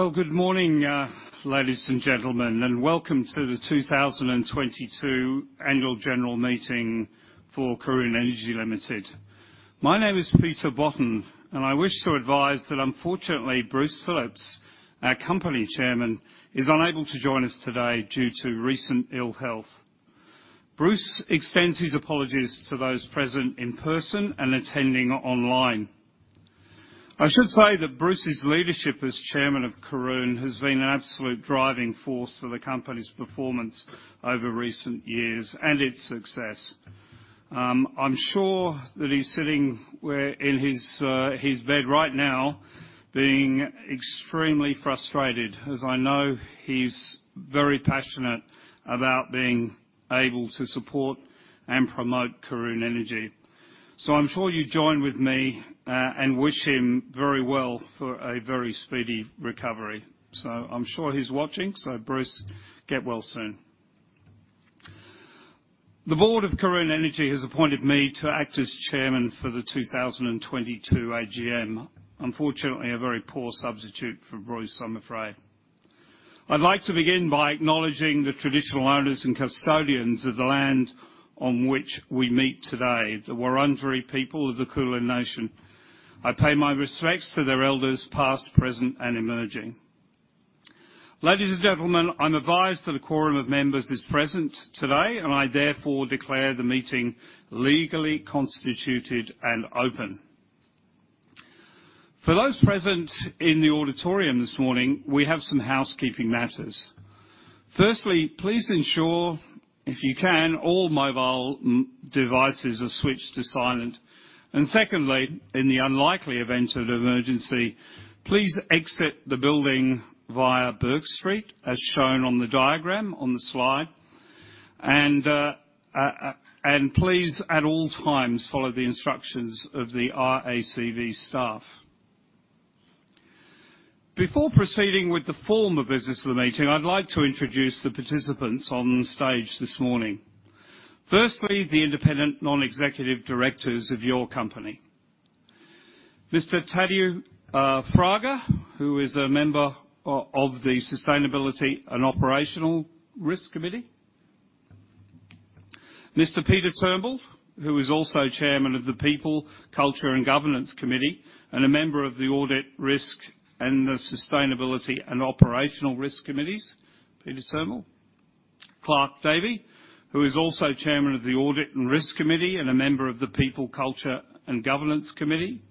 Well, good morning, ladies and gentlemen, welcome to the 2022 Annual General Meeting for Karoon Energy Limited. My name is Peter Botten, I wish to advise that unfortunately, Bruce Phillips, our company chairman, is unable to join us today due to recent ill health. Bruce extends his apologies to those present in person and attending online. I should say that Bruce's leadership as chairman of Karoon has been an absolute driving force for the company's performance over recent years and its success. I'm sure that he's sitting in his bed right now being extremely frustrated as I know he's very passionate about being able to support and promote Karoon Energy. I'm sure you join with me, wish him very well for a very speedy recovery. I'm sure he's watching, so Bruce, get well soon. The board of Karoon Energy has appointed me to act as chairman for the 2022 AGM. Unfortunately, a very poor substitute for Bruce, I'm afraid. I'd like to begin by acknowledging the traditional owners and custodians of the land on which we meet today, the Wurundjeri people of the Kulin nation. I pay my respects to their elders, past, present, and emerging. Ladies and gentlemen, I'm advised that a quorum of members is present today. I therefore declare the meeting legally constituted and open. For those present in the auditorium this morning, we have some housekeeping matters. Firstly, please ensure, if you can, all mobile m-devices are switched to silent. Secondly, in the unlikely event of emergency, please exit the building via Bourke Street as shown on the diagram on the slide. Please, at all times, follow the instructions of the RACV staff. Before proceeding with the formal business of the meeting, I'd like to introduce the participants on stage this morning. Firstly, the independent non-executive directors of your company. Mr. Tadeu Fraga, who is a member of the Sustainability and Operational Risk Committee. Mr. Peter Turnbull, who is also Chairman of the People, Culture and Governance Committee and a member of the Audit, Risk and the Sustainability and Operational Risk Committees. Peter Turnbull. Clark Davey, who is also Chairman of the Audit and Risk Committee and a member of the People, Culture and Governance Committee.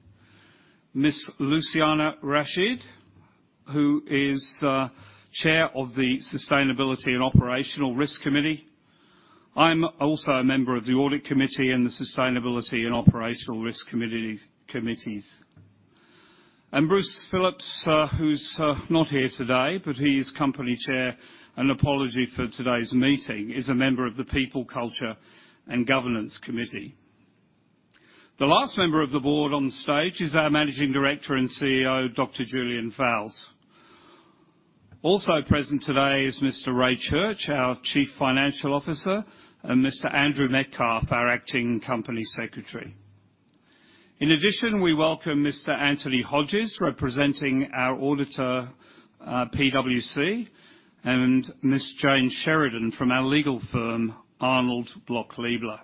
Ms. Luciana Rachid, who is chair of the Sustainability and Operational Risk Committee. I'm also a member of the Audit Committee and the Sustainability and Operational Risk Committees. Bruce Phillips, who's not here today, but he is Company Chair, an apology for today's meeting, is a member of the People, Culture and Governance Committee. The last member of the board on stage is our Managing Director and CEO, Dr. Julian Fowles. Also present today is Mr. Ray Church, our Chief Financial Officer, and Mr. Andrew Metcalfe, our acting Company Secretary. In addition, we welcome Mr. Anthony Hodges, representing our auditor, PwC, and Ms. Jane Sheridan from our legal firm, Arnold Bloch Leibler.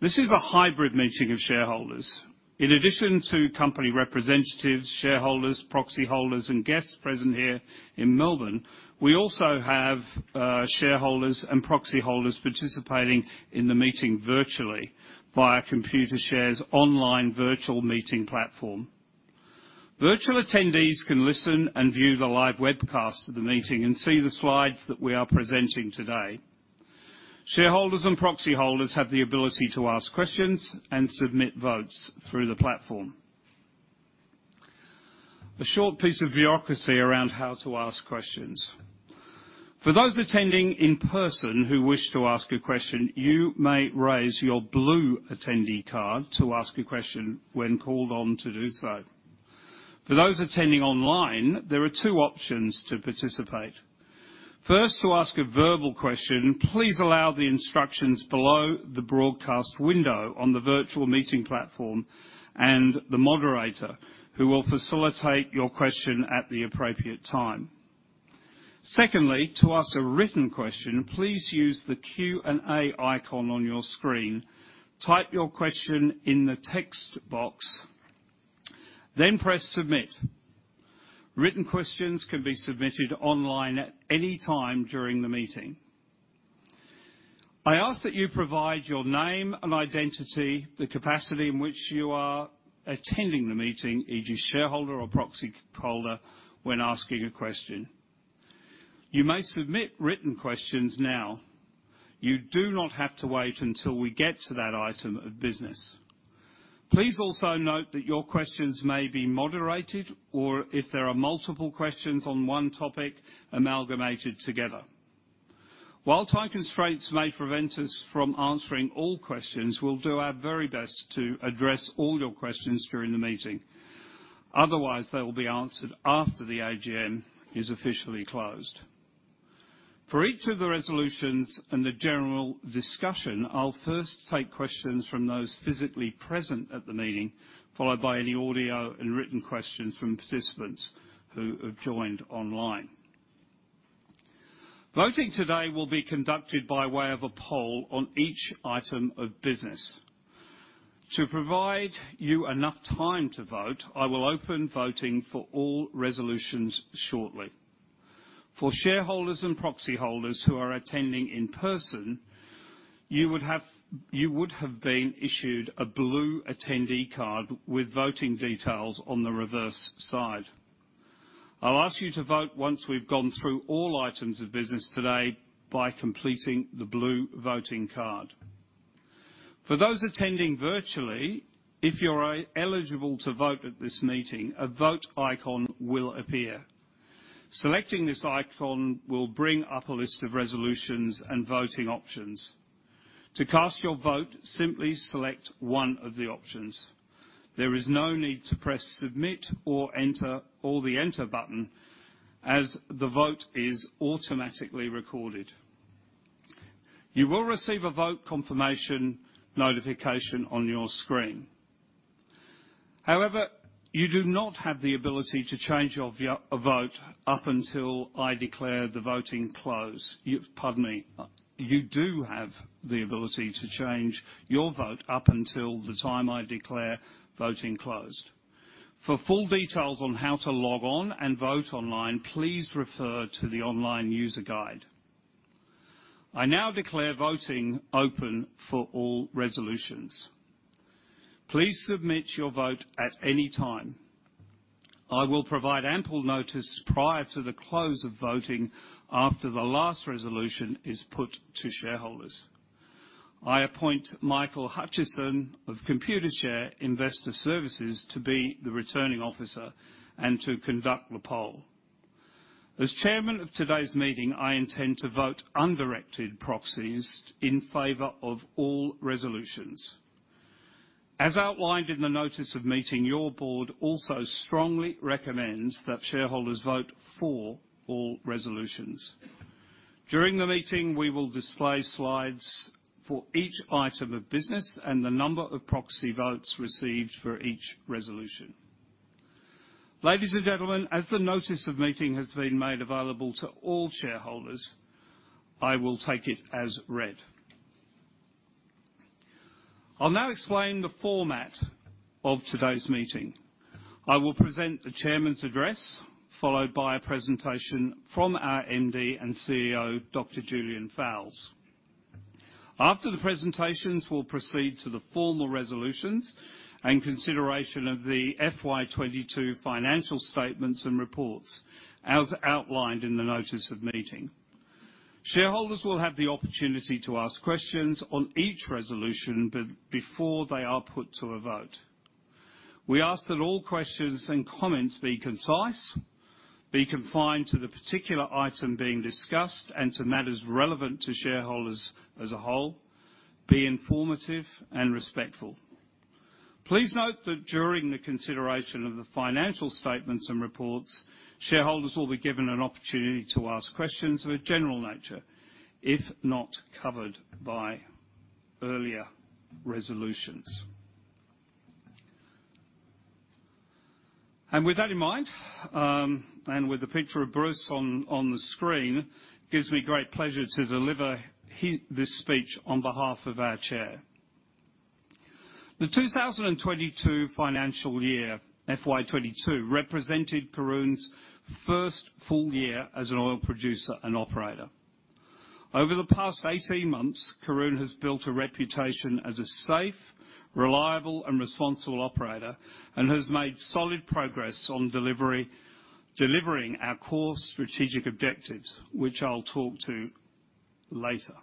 This is a hybrid meeting of shareholders. In addition to company representatives, shareholders, proxy holders and guests present here in Melbourne, we also have shareholders and proxy holders participating in the meeting virtually via Computershare's online virtual meeting platform. Virtual attendees can listen and view the live webcast of the meeting and see the slides that we are presenting today. Shareholders and proxy holders have the ability to ask questions and submit votes through the platform. A short piece of bureaucracy around how to ask questions. For those attending in person who wish to ask a question, you may raise your blue attendee card to ask a question when called on to do so. For those attending online, there are two options to participate. First, to ask a verbal question, please allow the instructions below the broadcast window on the virtual meeting platform and the moderator, who will facilitate your question at the appropriate time. Secondly, to ask a written question, please use the Q&A icon on your screen. Type your question in the text box, then press Submit. Written questions can be submitted online at any time during the meeting. I ask that you provide your name and identity, the capacity in which you are attending the meeting, e.g. shareholder or proxy holder, when asking a question. You may submit written questions now. You do not have to wait until we get to that item of business. Please also note that your questions may be moderated, or if there are multiple questions on one topic, amalgamated together. While time constraints may prevent us from answering all questions, we'll do our very best to address all your questions during the meeting. Otherwise, they will be answered after the AGM is officially closed. For each of the resolutions and the general discussion, I'll first take questions from those physically present at the meeting, followed by any audio and written questions from participants who have joined online. Voting today will be conducted by way of a poll on each item of business. To provide you enough time to vote, I will open voting for all resolutions shortly. For shareholders and proxy holders who are attending in person, you would have been issued a blue attendee card with voting details on the reverse side. I'll ask you to vote once we've gone through all items of business today by completing the blue voting card. For those attending virtually, if you're eligible to vote at this meeting, a vote icon will appear. Selecting this icon will bring up a list of resolutions and voting options. To cast your vote, simply select one of the options. There is no need to press Submit or the Enter button as the vote is automatically recorded. You will receive a vote confirmation notification on your screen. However, you do not have the ability to change your vote up until I declare the voting closed. Pardon me. You do have the ability to change your vote up until the time I declare voting closed. For full details on how to log on and vote online, please refer to the online user guide. I now declare voting open for all resolutions. Please submit your vote at any time. I will provide ample notice prior to the close of voting after the last resolution is put to shareholders. I appoint Michael Hutchison of Computershare Investor Services to be the Returning Officer and to conduct the poll. As Chairman of today's meeting, I intend to vote undirected proxies in favor of all resolutions. As outlined in the notice of meeting, your board also strongly recommends that shareholders vote for all resolutions. During the meeting, we will display slides for each item of business and the number of proxy votes received for each resolution. Ladies and gentlemen, as the notice of meeting has been made available to all shareholders, I will take it as read. I'll now explain the format of today's meeting. I will present the Chairman's Address, followed by a presentation from our MD and CEO, Dr. Julian Fowles. After the presentations, we'll proceed to the formal resolutions and consideration of the FY 2022 financial statements and reports as outlined in the notice of meeting. Shareholders will have the opportunity to ask questions on each resolution before they are put to a vote. We ask that all questions and comments be concise, be confined to the particular item being discussed and to matters relevant to shareholders as a whole, be informative and respectful. Please note that during the consideration of the financial statements and reports, shareholders will be given an opportunity to ask questions of a general nature, if not covered by earlier resolutions. With that in mind, and with a picture of Bruce on the screen, it gives me great pleasure to deliver this speech on behalf of our Chair. The 2022 financial year, FY 2022, represented Karoon's first full year as an oil producer and operator. Over the past 18 months, Karoon has built a reputation as a safe, reliable, and responsible operator and has made solid progress on delivering our core strategic objectives, which I'll talk to later.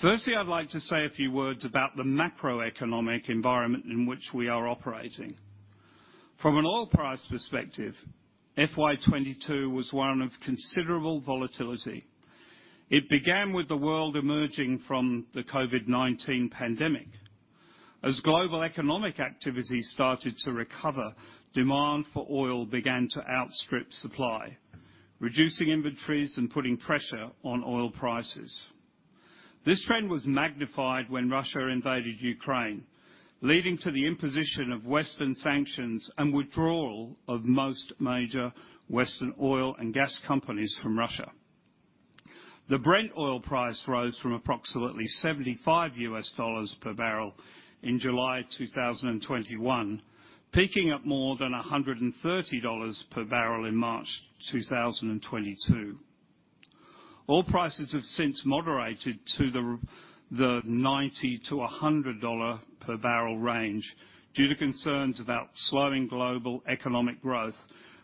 Firstly, I'd like to say a few words about the macroeconomic environment in which we are operating. From an oil price perspective, FY 2022 was one of considerable volatility. It began with the world emerging from the COVID-19 pandemic. As global economic activity started to recover, demand for oil began to outstrip supply, reducing inventories and putting pressure on oil prices. This trend was magnified when Russia invaded Ukraine, leading to the imposition of Western sanctions and withdrawal of most major Western oil and gas companies from Russia. The Brent oil price rose from approximately $75 per barrel in July 2021, peaking at more than $130 per barrel in March 2022. All prices have since moderated to the $90-$100 per barrel range due to concerns about slowing global economic growth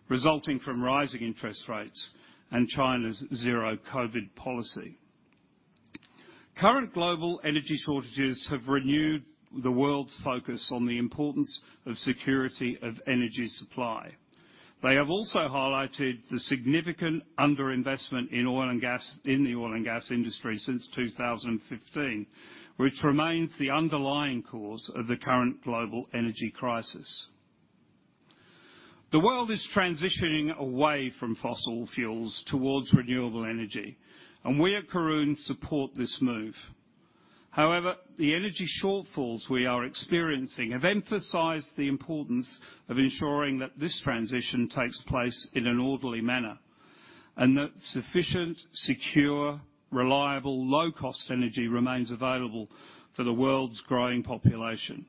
resulting from rising interest rates and China's Zero-COVID policy. Current global energy shortages have renewed the world's focus on the importance of security of energy supply. They have also highlighted the significant underinvestment in the oil and gas industry since 2015, which remains the underlying cause of the current global energy crisis. The world is transitioning away from fossil fuels towards renewable energy, and we at Karoon support this move. However, the energy shortfalls we are experiencing have emphasized the importance of ensuring that this transition takes place in an orderly manner, and that sufficient, secure, reliable, low-cost energy remains available for the world's growing population.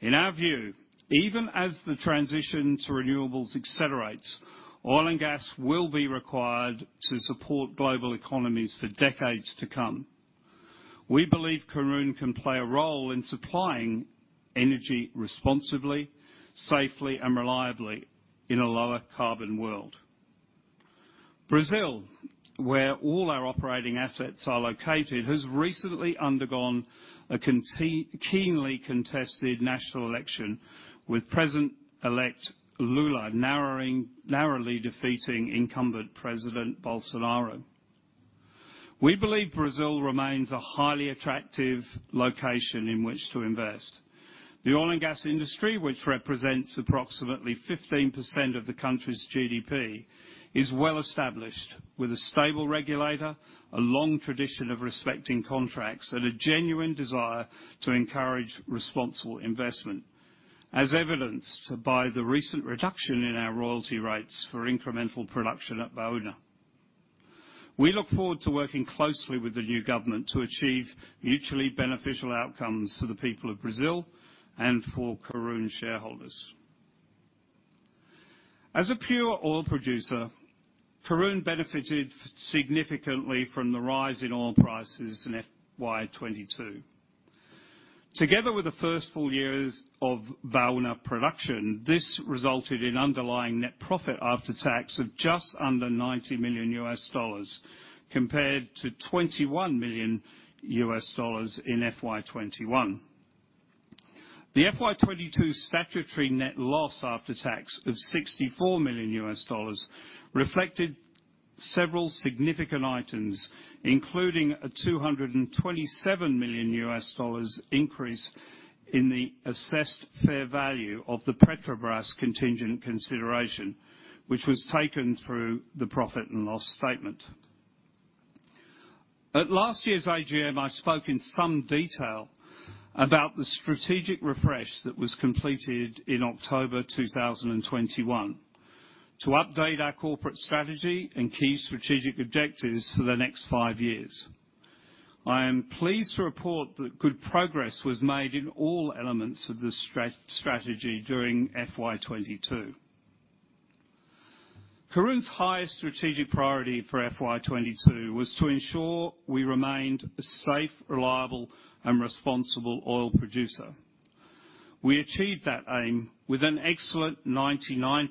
In our view, even as the transition to renewables accelerates, oil and gas will be required to support global economies for decades to come. We believe Karoon can play a role in supplying energy responsibly, safely, and reliably in a lower carbon world. Brazil, where all our operating assets are located, has recently undergone a keenly contested national election with President-elect Lula narrowly defeating incumbent President Bolsonaro. We believe Brazil remains a highly attractive location in which to invest. The oil and gas industry, which represents approximately 15% of the country's GDP, is well established with a stable regulator, a long tradition of respecting contracts, and a genuine desire to encourage responsible investment, as evidenced by the recent reduction in our royalty rates for incremental production at Baúna. We look forward to working closely with the new government to achieve mutually beneficial outcomes for the people of Brazil and for Karoon shareholders. As a pure oil producer, Karoon benefited significantly from the rise in oil prices in FY 2022. Together with the first full years of Baúna production, this resulted in underlying net profit after tax of just under $90 million compared to $21 million in FY21. The FY 2022 statutory net loss after tax of $64 million reflected several significant items, including a $227 million increase in the assessed fair value of the Petrobras contingent consideration, which was taken through the profit and loss statement. At last year's AGM, I spoke in some detail about the strategic refresh that was completed in October 2021 to update our corporate strategy and key strategic objectives for the next five years. I am pleased to report that good progress was made in all elements of this strategy during FY 2022. Karoon's highest strategic priority for FY 2022 was to ensure we remained a safe, reliable, and responsible oil producer. We achieved that aim with an excellent 99%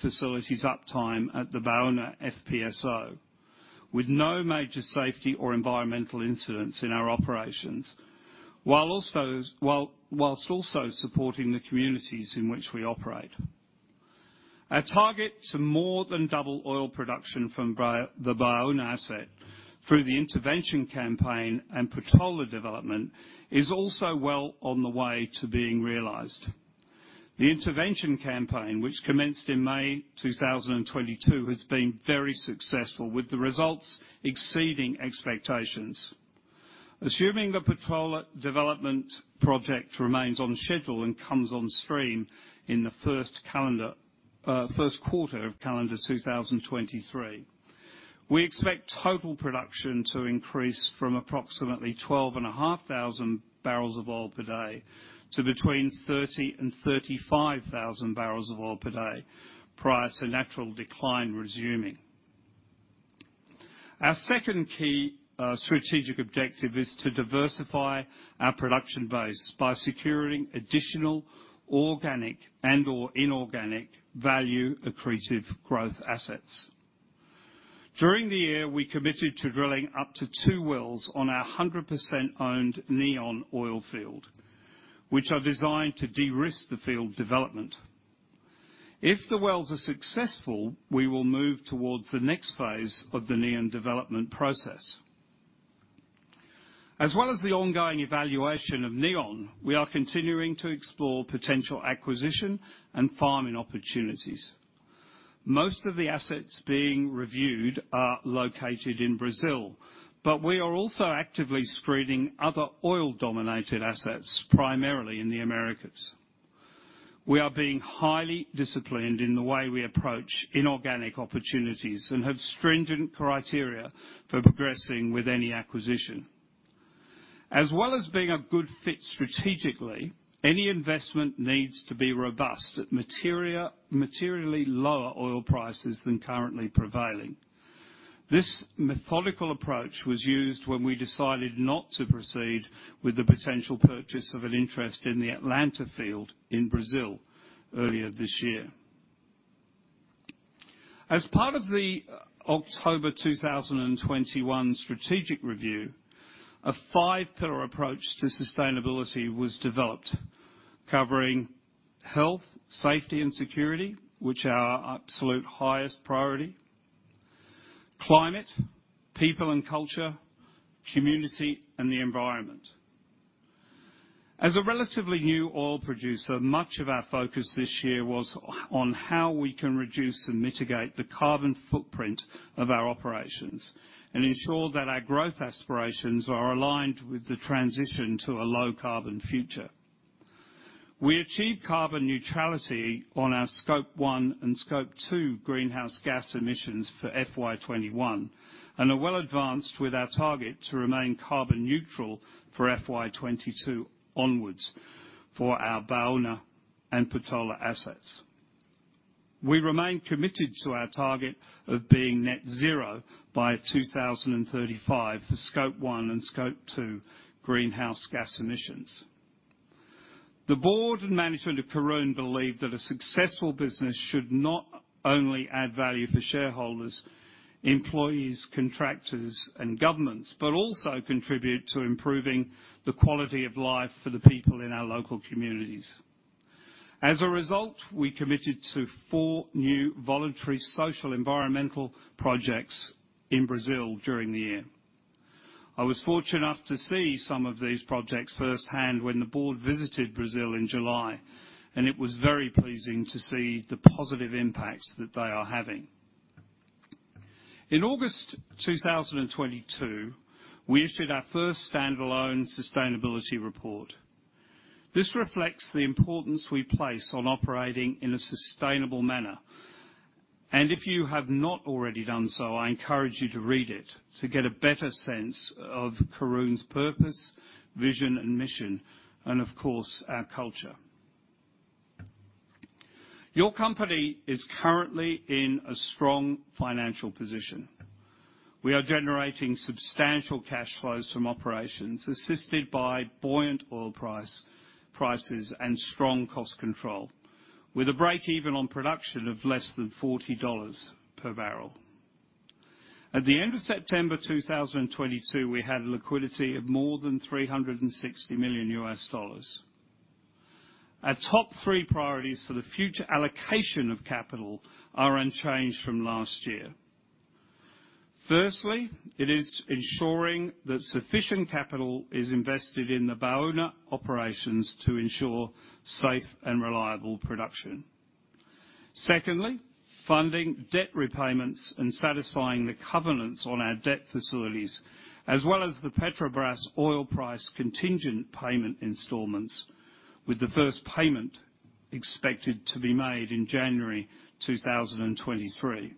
facilities uptime at the Baúna FPSO, with no major safety or environmental incidents in our operations, whilst also supporting the communities in which we operate. Our target to more than double oil production from the Baúna asset through the intervention campaign and Patola development is also well on the way to being realized. The intervention campaign, which commenced in May 2022, has been very successful, with the results exceeding expectations. Assuming the Patola development project remains on schedule and comes on stream in the first calendar, first quarter of calendar 2023, we expect total production to increase from approximately 12,500 bbl of oil per day to between 30,000 and 35,000 bbl of oil per day prior to natural decline resuming. Our second key, strategic objective is to diversify our production base by securing additional organic and/or inorganic value-accretive growth assets. During the year, we committed to drilling up to two wells on our 100% owned Neon oil field, which are designed to de-risk the field development. If the wells are successful, we will move towards the next phase of the Neon development process. As well as the ongoing evaluation of Neon, we are continuing to explore potential acquisition and farming opportunities. Most of the assets being reviewed are located in Brazil. We are also actively screening other oil-dominated assets, primarily in the Americas. We are being highly disciplined in the way we approach inorganic opportunities and have stringent criteria for progressing with any acquisition. As well as being a good fit strategically, any investment needs to be robust at materially lower oil prices than currently prevailing. This methodical approach was used when we decided not to proceed with the potential purchase of an interest in the Atlanta field in Brazil earlier this year. As part of the October 2021 strategic review, a five-pillar approach to sustainability was developed covering health, safety, and security, which are our absolute highest priority. Climate, People and Culture, Community, and the Environment. As a relatively new oil producer, much of our focus this year was on how we can reduce and mitigate the carbon footprint of our operations and ensure that our growth aspirations are aligned with the transition to a low carbon future. We achieved carbon neutrality on our Scope 1 and Scope 2 greenhouse gas emissions for FY 2021, and are well advanced with our target to remain carbon neutral for FY 2022 onwards for our Baúna and Patola assets. We remain committed to our target of being net zero by 2035 for Scope 1 and Scope 2 greenhouse gas emissions. The board and management of Karoon believe that a successful business should not only add value for shareholders, employees, contractors, and governments, but also contribute to improving the quality of life for the people in our local communities. As a result, we committed to four new voluntary social environmental projects in Brazil during the year. I was fortunate enough to see some of these projects firsthand when the board visited Brazil in July, it was very pleasing to see the positive impacts that they are having. In August 2022, we issued our first standalone sustainability report. This reflects the importance we place on operating in a sustainable manner. If you have not already done so, I encourage you to read it to get a better sense of Karoon's purpose, vision, and mission, and of course, our culture. Your company is currently in a strong financial position. We are generating substantial cash flows from operations, assisted by buoyant oil prices and strong cost control, with a breakeven on production of less than $40 per bbl. At the end of September 2022, we had liquidity of more than $360 million. Our top three priorities for the future allocation of capital are unchanged from last year. Firstly, it is ensuring that sufficient capital is invested in the Baúna operations to ensure safe and reliable production. Secondly, funding debt repayments and satisfying the covenants on our debt facilities, as well as the Petrobras oil price contingent payment installments, with the first payment expected to be made in January 2023.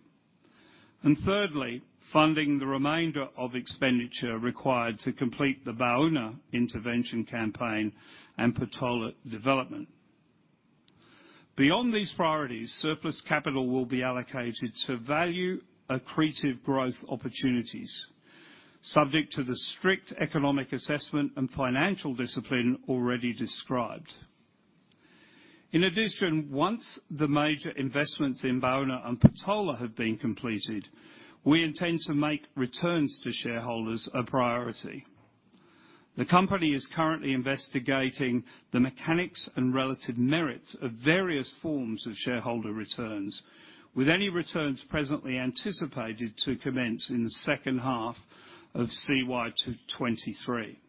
Thirdly, funding the remainder of expenditure required to complete the Baúna intervention campaign and Patola development. Beyond these priorities, surplus capital will be allocated to value accretive growth opportunities, subject to the strict economic assessment and financial discipline already described. Once the major investments in Baúna and Patola have been completed, we intend to make returns to shareholders a priority. The company is currently investigating the mechanics and relative merits of various forms of shareholder returns, with any returns presently anticipated to commence in the second half of CY 2023.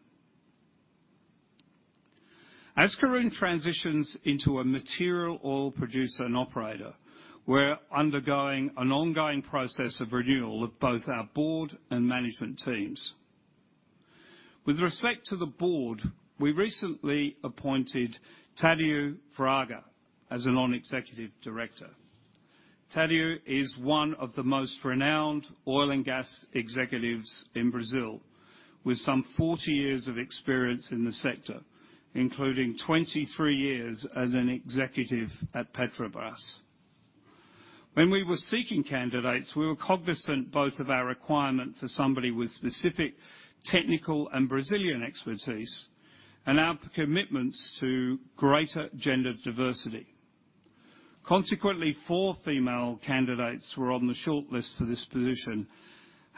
As Karoon transitions into a material oil producer and operator, we're undergoing an ongoing process of renewal of both our board and management teams. With respect to the board, we recently appointed Tadeu Fraga as a non-executive director. Tadeu is one of the most renowned oil and gas executives in Brazil, with some 40 years of experience in the sector, including 23 years as an executive at Petrobras. When we were seeking candidates, we were cognizant both of our requirement for somebody with specific technical and Brazilian expertise, and our commitments to greater gender diversity. Consequently, four female candidates were on the shortlist for this position.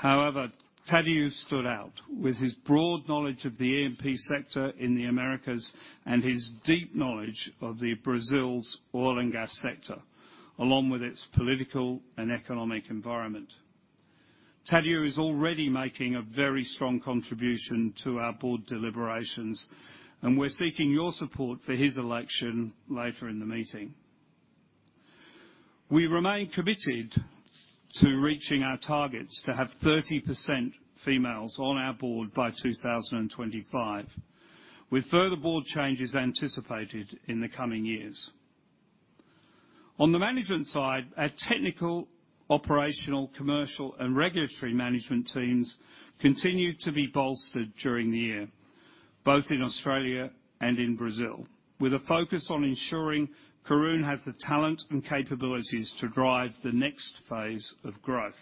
Tadeu stood out with his broad knowledge of the E&P sector in the Americas and his deep knowledge of Brazil's oil and gas sector, along with its political and economic environment. Tadeu is already making a very strong contribution to our board deliberations, we're seeking your support for his election later in the meeting. We remain committed to reaching our targets to have 30% females on our board by 2025, with further board changes anticipated in the coming years. On the management side, our technical, operational, commercial, and regulatory management teams continued to be bolstered during the year, both in Australia and in Brazil, with a focus on ensuring Karoon has the talent and capabilities to drive the next phase of growth.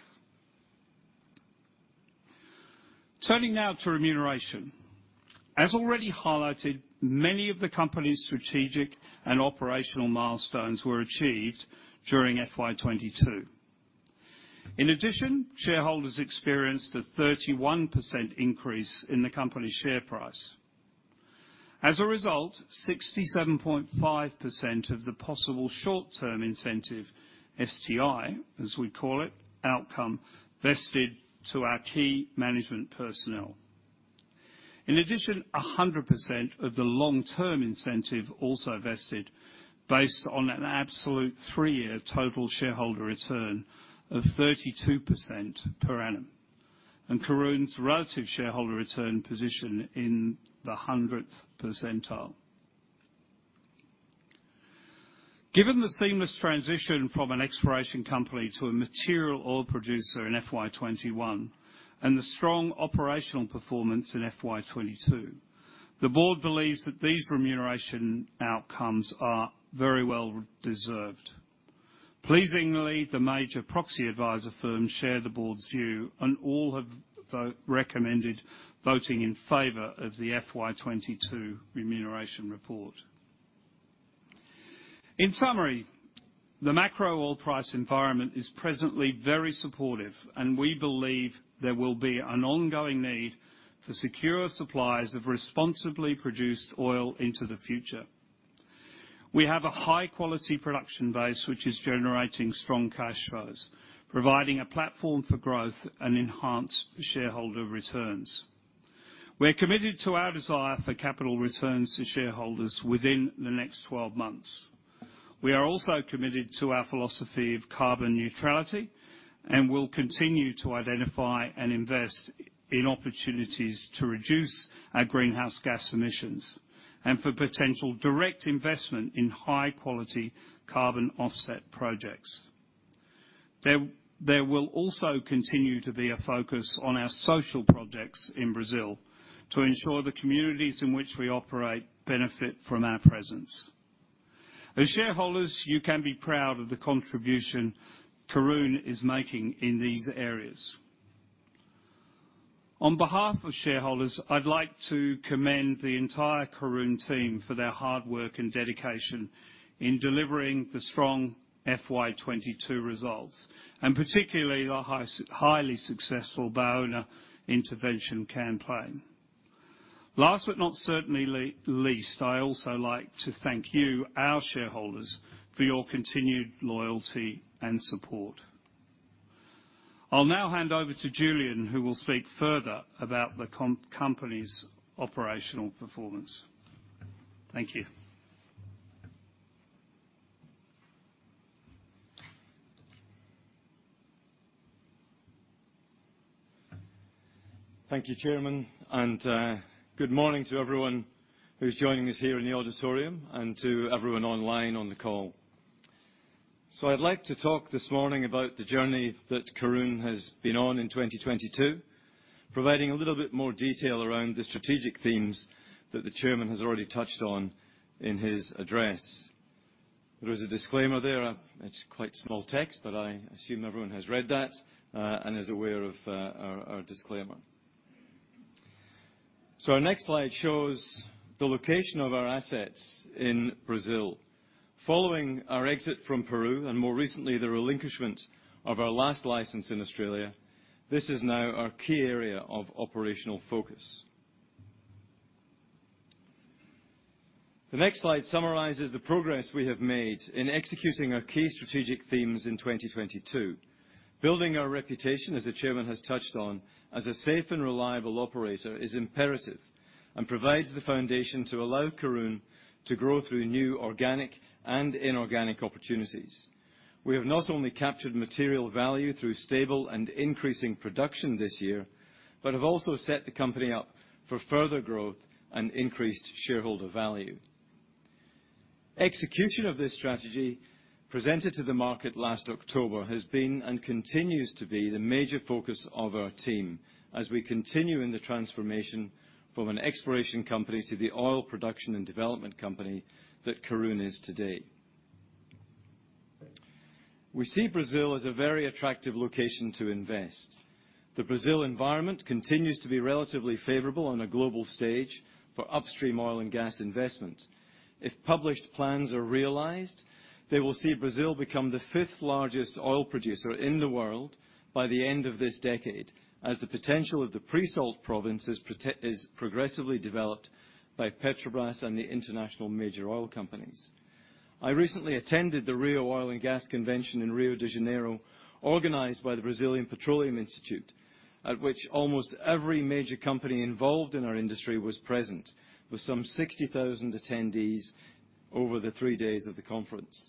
Turning now to remuneration. As already highlighted, many of the company's strategic and operational milestones were achieved during FY 2022. In addition, shareholders experienced a 31% increase in the company's share price. As a result, 67.5% of the possible short-term incentive, STI, as we call it, outcome vested to our key management personnel. In addition, 100% of the long-term incentive also vested based on an absolute three-year total shareholder return of 32% per annum, and Karoon's relative shareholder return position in the 100th percentile. Given the seamless transition from an exploration company to a material oil producer in FY 2021, and the strong operational performance in FY 2022, the board believes that these remuneration outcomes are very well deserved. Pleasingly, the major proxy advisor firms share the board's view, and all have recommended voting in favor of the FY 2022 remuneration report. In summary, the macro oil price environment is presently very supportive. We believe there will be an ongoing need for secure supplies of responsibly produced oil into the future. We have a high-quality production base, which is generating strong cash flows, providing a platform for growth and enhanced shareholder returns. We're committed to our desire for capital returns to shareholders within the next 12 months. We are also committed to our philosophy of carbon neutrality, and will continue to identify and invest in opportunities to reduce our greenhouse gas emissions, and for potential direct investment in high-quality carbon offset projects. There will also continue to be a focus on our social projects in Brazil to ensure the communities in which we operate benefit from our presence. As shareholders, you can be proud of the contribution Karoon is making in these areas. On behalf of shareholders, I'd like to commend the entire Karoon team for their hard work and dedication in delivering the strong FY 2022 results, and particularly the highly successful Baúna intervention campaign. Last, but not certainly least, I also like to thank you, our shareholders, for your continued loyalty and support. I'll now hand over to Julian, who will speak further about the company's operational performance. Thank you. Thank you, Chairman, and good morning to everyone who's joining us here in the auditorium and to everyone online on the call. I'd like to talk this morning about the journey that Karoon has been on in 2022, providing a little bit more detail around the strategic themes that the Chairman has already touched on in his address. There is a disclaimer there. It's quite small text, but I assume everyone has read that and is aware of our disclaimer. Our next slide shows the location of our assets in Brazil. Following our exit from Peru, and more recently, the relinquishment of our last license in Australia, this is now our key area of operational focus. The next slide summarizes the progress we have made in executing our key strategic themes in 2022. Building our reputation, as the Chairman has touched on, as a safe and reliable operator is imperative and provides the foundation to allow Karoon to grow through new organic and inorganic opportunities. We have not only captured material value through stable and increasing production this year, but have also set the company up for further growth and increased shareholder value. Execution of this strategy, presented to the market last October, has been and continues to be the major focus of our team as we continue in the transformation from an exploration company to the oil production and development company that Karoon is today. We see Brazil as a very attractive location to invest. The Brazil environment continues to be relatively favorable on a global stage for upstream oil and gas investment. If published plans are realized, they will see Brazil become the fifth-largest oil producer in the world by the end of this decade, as the potential of the pre-salt province is progressively developed by Petrobras and the international major oil companies. I recently attended the Rio Oil & Gas Convention in Rio de Janeiro, organized by the Brazilian Petroleum Institute, at which almost every major company involved in our industry was present, with some 60,000 attendees over the three days of the conference.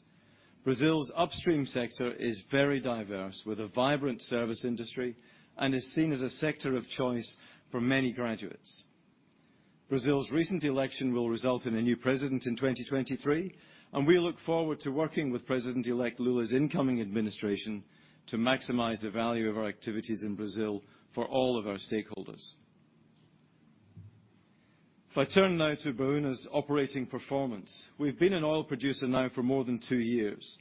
Brazil's upstream sector is very diverse, with a vibrant service industry, is seen as a sector of choice for many graduates. Brazil's recent election will result in a new president in 2023, we look forward to working with President-elect Lula's incoming administration to maximize the value of our activities in Brazil for all of our stakeholders. If I turn now to Baúna's operating performance. We've been an oil producer now for more than two years.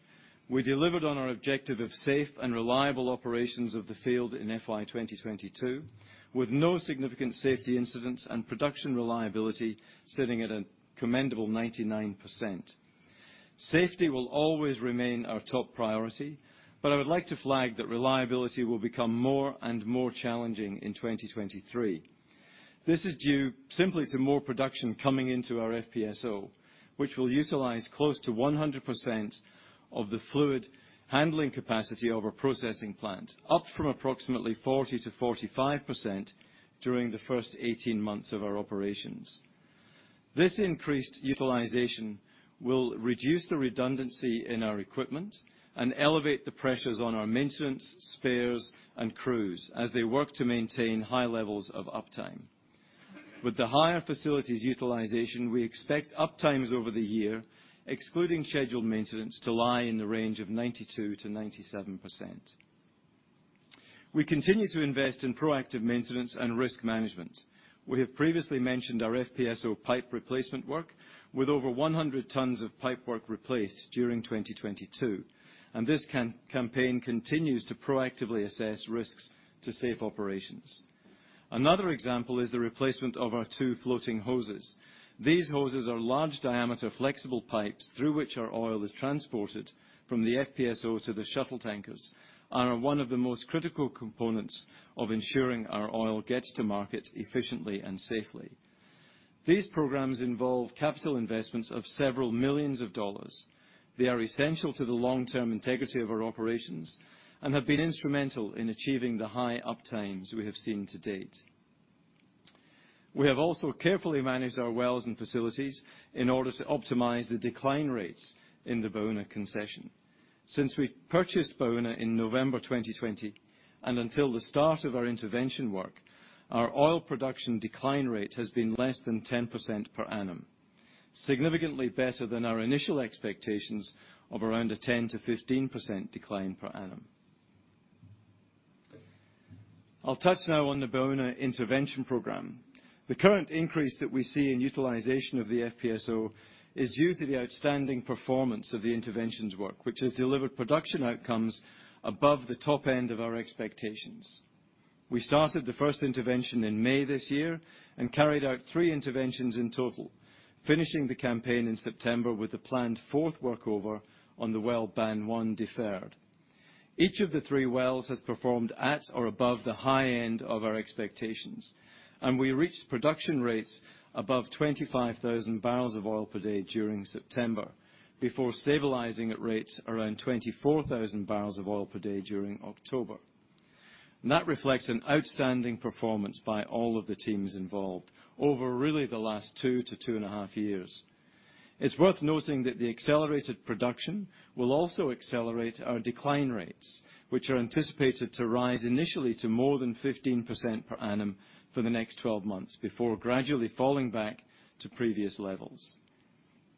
We delivered on our objective of safe and reliable operations of the field in FY 2022, with no significant safety incidents and production reliability sitting at a commendable 99%. Safety will always remain our top priority. I would like to flag that reliability will become more and more challenging in 2023. This is due simply to more production coming into our FPSO, which will utilize close to 100% of the fluid handling capacity of our processing plant, up from approximately 40%-45% during the first 18 months of our operations. This increased utilization will reduce the redundancy in our equipment and elevate the pressures on our maintenance, spares, and crews as they work to maintain high levels of uptime. With the higher facilities utilization, we expect uptimes over the year, excluding scheduled maintenance, to lie in the range of 92%-97%. We continue to invest in proactive maintenance and risk management. We have previously mentioned our FPSO pipe replacement work, with over 100 tons of pipe work replaced during 2022, this campaign continues to proactively assess risks to safe operations. Another example is the replacement of our two floating hoses. These hoses are large diameter flexible pipes through which our oil is transported from the FPSO to the shuttle tankers, are one of the most critical components of ensuring our oil gets to market efficiently and safely. These programs involve capital investments of several millions of dollars. They are essential to the long-term integrity of our operations and have been instrumental in achieving the high uptimes we have seen to date. We have also carefully managed our wells and facilities in order to optimize the decline rates in the Baúna concession. Since we purchased Baúna in November 2020 and until the start of our intervention work, our oil production decline rate has been less than 10% per annum, significantly better than our initial expectations of around a 10%-15% decline per annum. I'll touch now on the Baúna intervention program. The current increase that we see in utilization of the FPSO is due to the outstanding performance of the interventions work, which has delivered production outcomes above the top end of our expectations. We started the first intervention in May this year and carried out three interventions in total, finishing the campaign in September with the planned fourth workover on the well BAN-1 Deferred. Each of the three wells has performed at or above the high end of our expectations, we reached production rates above 25,000 bbl of oil per day during September, before stabilizing at rates around 24,000 bbl of oil per day during October. That reflects an outstanding performance by all of the teams involved over really the last two to 2.5 years. It's worth noting that the accelerated production will also accelerate our decline rates, which are anticipated to rise initially to more than 15% per annum for the next 12 months before gradually falling back to previous levels.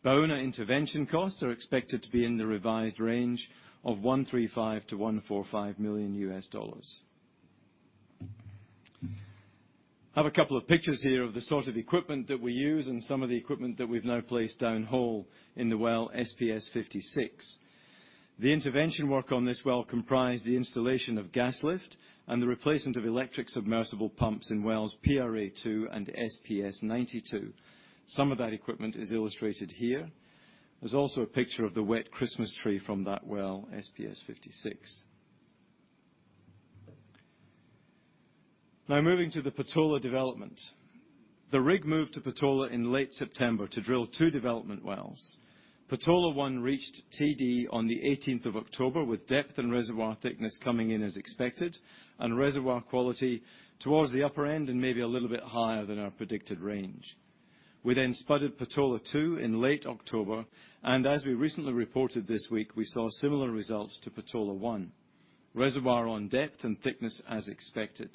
Baúna intervention costs are expected to be in the revised range of $135 million-$145 million. I have a couple of pictures here of the sort of equipment that we use and some of the equipment that we've now placed downhole in the well SPS-56. The intervention work on this well comprised the installation of gas lift and the replacement of electric submersible pumps in wells PRA-2 and SPS-92. Some of that equipment is illustrated here. There's also a picture of the wet Christmas tree from that well, SPS-56. Moving to the Patola development. The rig moved to Patola in late September to drill two development wells. Patola-1 reached TD on the 18th of October, with depth and reservoir thickness coming in as expected and reservoir quality towards the upper end and maybe a little bit higher than our predicted range. We then spudded Patola-2 in late October, and as we recently reported this week, we saw similar results to Patola-1. Reservoir on depth and thickness as expected,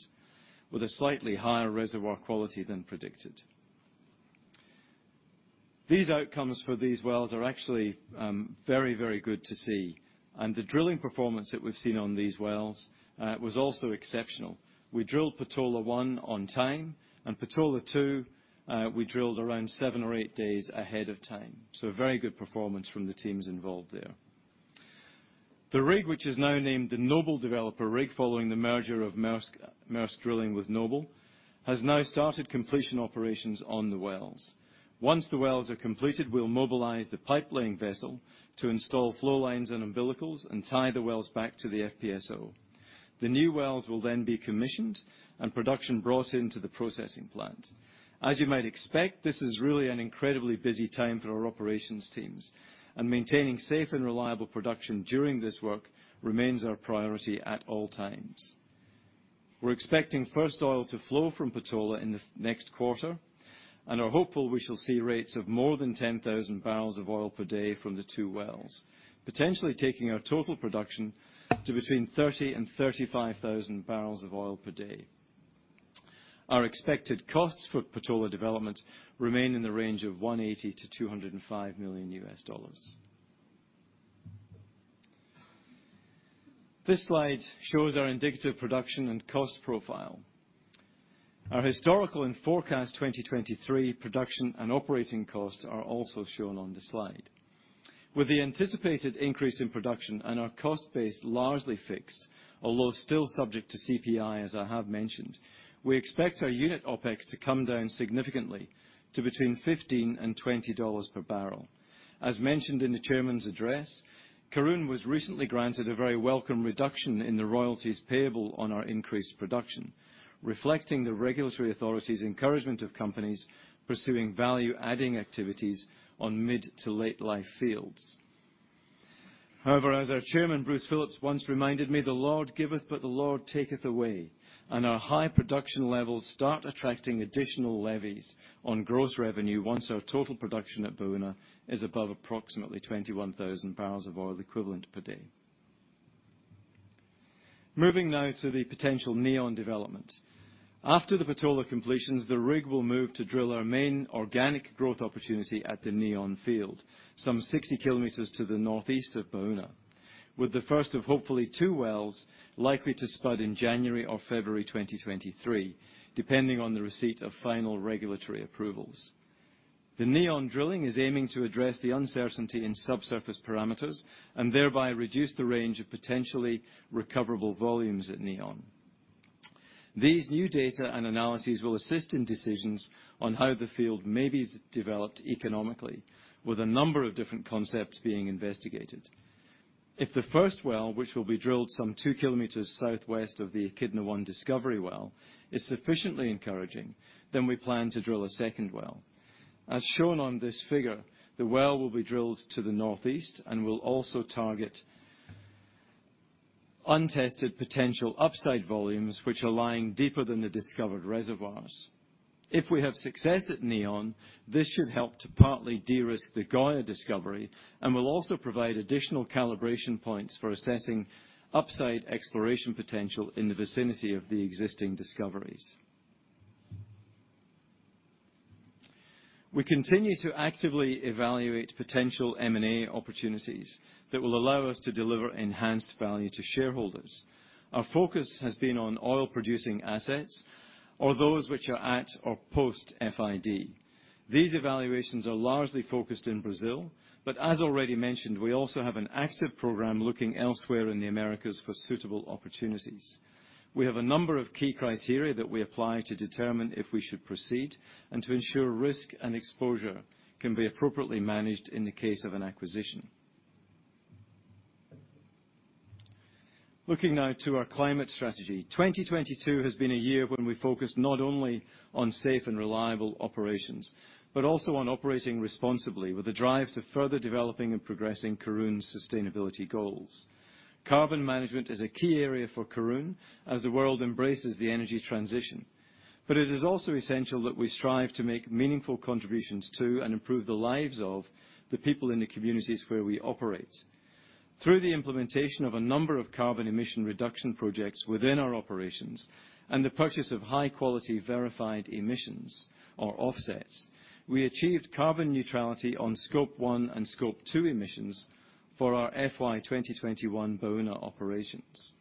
with a slightly higher reservoir quality than predicted. These outcomes for these wells are actually very, very good to see, and the drilling performance that we've seen on these wells was also exceptional. We drilled Patola-1 on time, and Patola-2, we drilled around seven or eight days ahead of time. A very good performance from the teams involved there. The rig, which is now named the Noble Developer rig following the merger of Maersk Drilling with Noble, has now started completion operations on the wells. Once the wells are completed, we'll mobilize the pipelaying vessel to install flow lines and umbilicals and tie the wells back to the FPSO. The new wells will then be commissioned and production brought into the processing plant. As you might expect, this is really an incredibly busy time for our operations teams, maintaining safe and reliable production during this work remains our priority at all times. We're expecting first oil to flow from Patola next quarter and are hopeful we shall see rates of more than 10,000 bbl of oil per day from the two wells, potentially taking our total production to between 30,000 and 35,000 bbl of oil per day. Our expected costs for Patola development remain in the range of $180 million-$205 million. This slide shows our indicative production and cost profile. Our historical and forecast 2023 production and operating costs are also shown on the slide. With the anticipated increase in production and our cost base largely fixed, although still subject to CPI, as I have mentioned, we expect our unit OPEX to come down significantly to between $15 and $20 per bbl. As mentioned in the chairman's address, Karoon was recently granted a very welcome reduction in the royalties payable on our increased production, reflecting the regulatory authority's encouragement of companies pursuing value-adding activities on mid-to-late life fields. As our Chairman, Bruce Phillips, once reminded me, "The Lord giveth, but the Lord taketh away," our high production levels start attracting additional levies on gross revenue once our total production at Baúna is above approximately 21,000 barrels of oil equivalent per day. Moving now to the potential Neon development. After the Patola completions, the rig will move to drill our main organic growth opportunity at the Neon field, some 60 km to the northeast of Baúna, with the first of hopefully two wells likely to spud in January or February 2023, depending on the receipt of final regulatory approvals. The Neon drilling is aiming to address the uncertainty in subsurface parameters, and thereby reduce the range of potentially recoverable volumes at Neon. These new data and analyses will assist in decisions on how the field may be developed economically, with a number of different concepts being investigated. If the first well, which will be drilled some 2 km southwest of the Echidna-1 discovery well, is sufficiently encouraging, then we plan to drill a second well. As shown on this figure, the well will be drilled to the northeast and will also target untested potential upside volumes which are lying deeper than the discovered reservoirs. If we have success at Neon, this should help to partly de-risk the Goya discovery and will also provide additional calibration points for assessing upside exploration potential in the vicinity of the existing discoveries. We continue to actively evaluate potential M&A opportunities that will allow us to deliver enhanced value to shareholders. Our focus has been on oil-producing assets or those which are at or post FID. These evaluations are largely focused in Brazil, but as already mentioned, we also have an active program looking elsewhere in the Americas for suitable opportunities. We have a number of key criteria that we apply to determine if we should proceed and to ensure risk and exposure can be appropriately managed in the case of an acquisition. Looking now to our climate strategy. 2022 has been a year when we focused not only on safe and reliable operations, but also on operating responsibly with a drive to further developing and progressing Karoon's sustainability goals. Carbon management is a key area for Karoon as the world embraces the energy transition. It is also essential that we strive to make meaningful contributions to and improve the lives of the people in the communities where we operate. Through the implementation of a number of carbon emission reduction projects within our operations and the purchase of high-quality verified emissions or offsets, we achieved carbon neutrality on Scope 1 and Scope 2 emissions for our FY 2021 Baúna operations.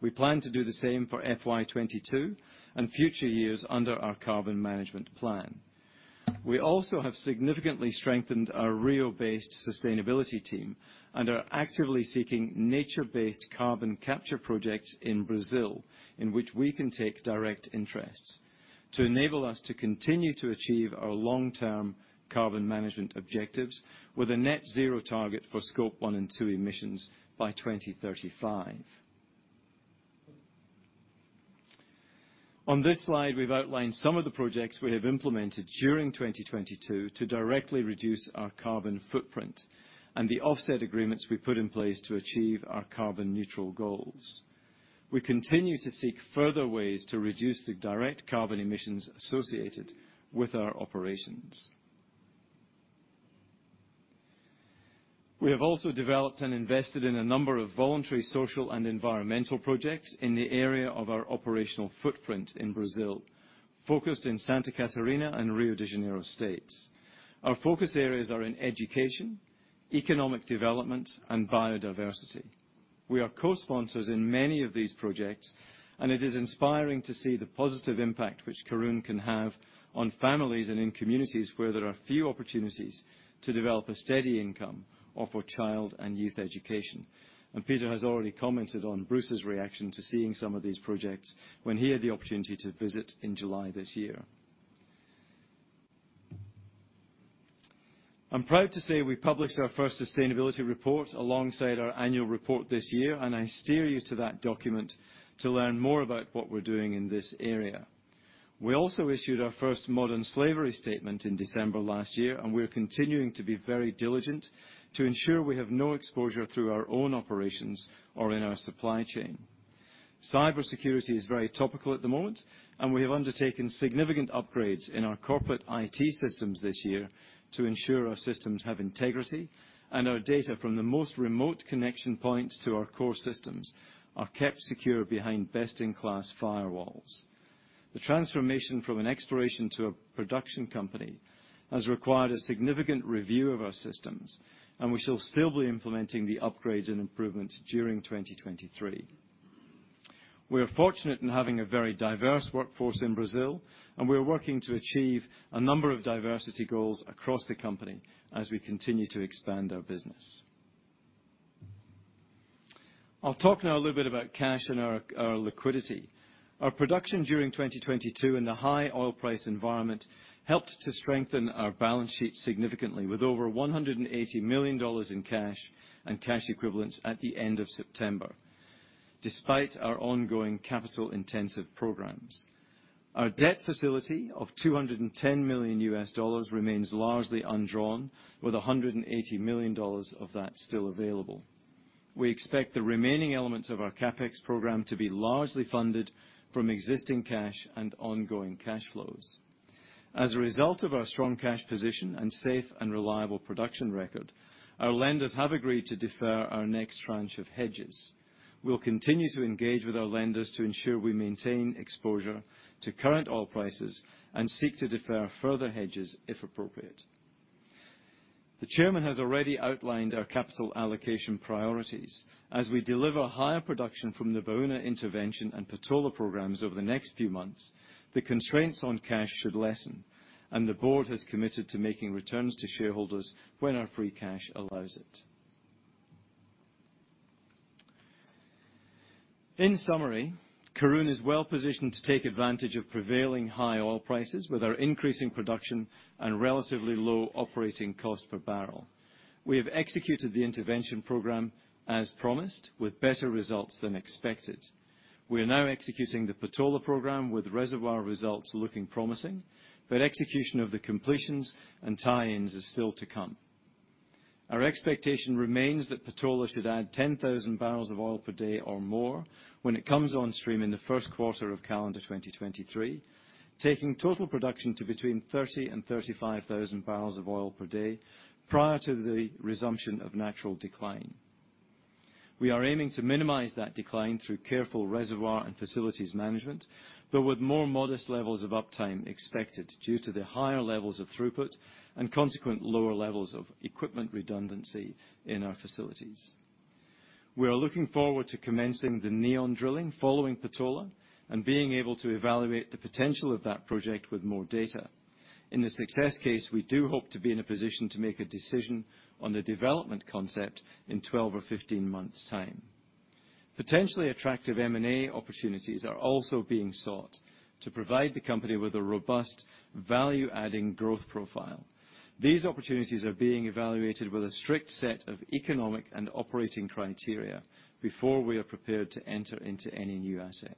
We plan to do the same for FY 2022 and future years under our carbon management plan. We also have significantly strengthened our Rio-based sustainability team and are actively seeking nature-based carbon capture projects in Brazil, in which we can take direct interests to enable us to continue to achieve our long-term carbon management objectives with a net zero target for Scope 1 and 2 emissions by 2035. On this slide, we've outlined some of the projects we have implemented during 2022 to directly reduce our carbon footprint and the offset agreements we put in place to achieve our carbon neutral goals. We continue to seek further ways to reduce the direct carbon emissions associated with our operations. We have also developed and invested in a number of voluntary social and environmental projects in the area of our operational footprint in Brazil, focused in Santa Catarina and Rio de Janeiro states. Our focus areas are in education, economic development, and biodiversity. It is inspiring to see the positive impact which Karoon can have on families and in communities where there are few opportunities to develop a steady income or for child and youth education. Peter has already commented on Bruce's reaction to seeing some of these projects when he had the opportunity to visit in July this year. I'm proud to say we published our first sustainability report alongside our annual report this year, I steer you to that document to learn more about what we're doing in this area. We also issued our first modern slavery statement in December last year, and we are continuing to be very diligent to ensure we have no exposure through our own operations or in our supply chain. Cybersecurity is very topical at the moment, and we have undertaken significant upgrades in our corporate IT systems this year to ensure our systems have integrity and our data from the most remote connection points to our core systems are kept secure behind best-in-class firewalls. The transformation from an exploration to a production company has required a significant review of our systems, and we shall still be implementing the upgrades and improvements during 2023. We are fortunate in having a very diverse workforce in Brazil, and we are working to achieve a number of diversity goals across the company as we continue to expand our business. I'll talk now a little bit about cash and our liquidity. Our production during 2022 and the high oil price environment helped to strengthen our balance sheet significantly with over $180 million in cash and cash equivalents at the end of September, despite our ongoing capital-intensive programs. Our debt facility of $210 million remains largely undrawn with $180 million of that still available. We expect the remaining elements of our CapEx program to be largely funded from existing cash and ongoing cash flows. As a result of our strong cash position and safe and reliable production record, our lenders have agreed to defer our next tranche of hedges. We'll continue to engage with our lenders to ensure we maintain exposure to current oil prices and seek to defer further hedges if appropriate. The Chairman has already outlined our capital allocation priorities. As we deliver higher production from the Baúna intervention and Patola programs over the next few months, the constraints on cash should lessen, the board has committed to making returns to shareholders when our free cash allows it. In summary, Karoon is well-positioned to take advantage of prevailing high oil prices with our increasing production and relatively low operating cost per barrel. We have executed the intervention program as promised with better results than expected. We are now executing the Patola program with reservoir results looking promising, execution of the completions and tie-ins is still to come. Our expectation remains that Patola should add 10,000 bbl of oil per day or more when it comes on stream in the first quarter of calendar 2023, taking total production to between 30,000-35,000 bbl of oil per day prior to the resumption of natural decline. We are aiming to minimize that decline through careful reservoir and facilities management, but with more modest levels of uptime expected due to the higher levels of throughput and consequent lower levels of equipment redundancy in our facilities. We are looking forward to commencing the Neon drilling following Patola and being able to evaluate the potential of that project with more data. In the success case, we do hope to be in a position to make a decision on the development concept in 12 or 15 months' time. Potentially attractive M&A opportunities are also being sought to provide the company with a robust value-adding growth profile. These opportunities are being evaluated with a strict set of economic and operating criteria before we are prepared to enter into any new asset.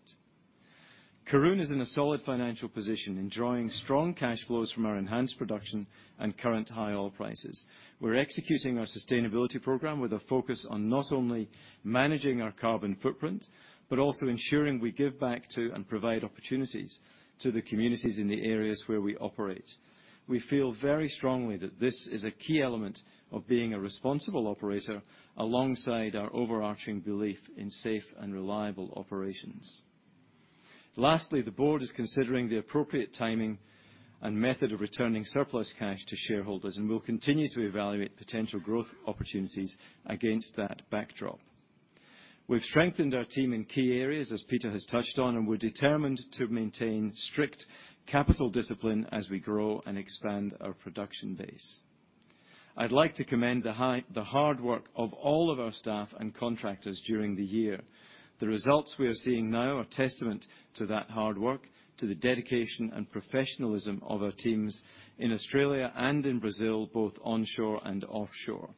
Karoon is in a solid financial position, enjoying strong cash flows from our enhanced production and current high oil prices. We're executing our sustainability program with a focus on not only managing our carbon footprint, but also ensuring we give back to and provide opportunities to the communities in the areas where we operate. We feel very strongly that this is a key element of being a responsible operator alongside our overarching belief in safe and reliable operations. Lastly, the board is considering the appropriate timing and method of returning surplus cash to shareholders, and we'll continue to evaluate potential growth opportunities against that backdrop. We've strengthened our team in key areas, as Peter has touched on. We're determined to maintain strict capital discipline as we grow and expand our production base. I'd like to commend the hard work of all of our staff and contractors during the year. The results we are seeing now are testament to that hard work, to the dedication and professionalism of our teams in Australia and in Brazil, both onshore and offshore.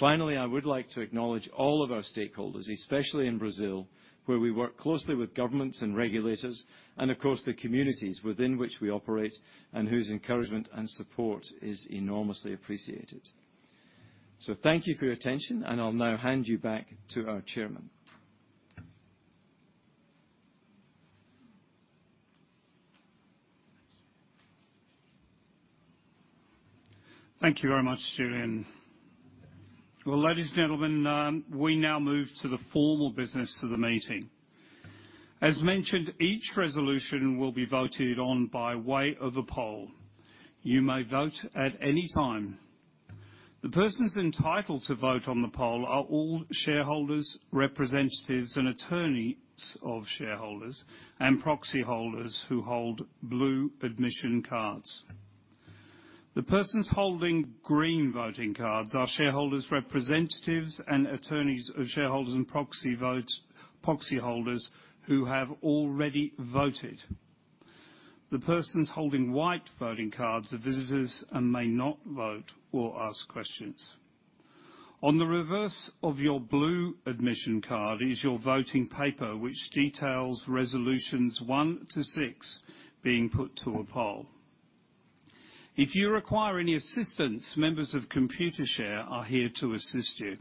Finally, I would like to acknowledge all of our stakeholders, especially in Brazil, where we work closely with governments and regulators, and of course, the communities within which we operate and whose encouragement and support is enormously appreciated. Thank you for your attention. I'll now hand you back to our chairman. Thank you very much, Julian. Ladies and gentlemen, we now move to the formal business of the meeting. As mentioned, each resolution will be voted on by way of a poll. You may vote at any time. The persons entitled to vote on the poll are all shareholders, representatives, and attorneys of shareholders, and proxy holders who hold blue admission cards. The persons holding green voting cards are shareholders, representatives, and attorneys of shareholders and proxy holders who have already voted. The persons holding white voting cards are visitors and may not vote or ask questions. On the reverse of your blue admission card is your voting paper which details resolutions one to six being put to a poll. If you require any assistance, members of Computershare are here to assist you.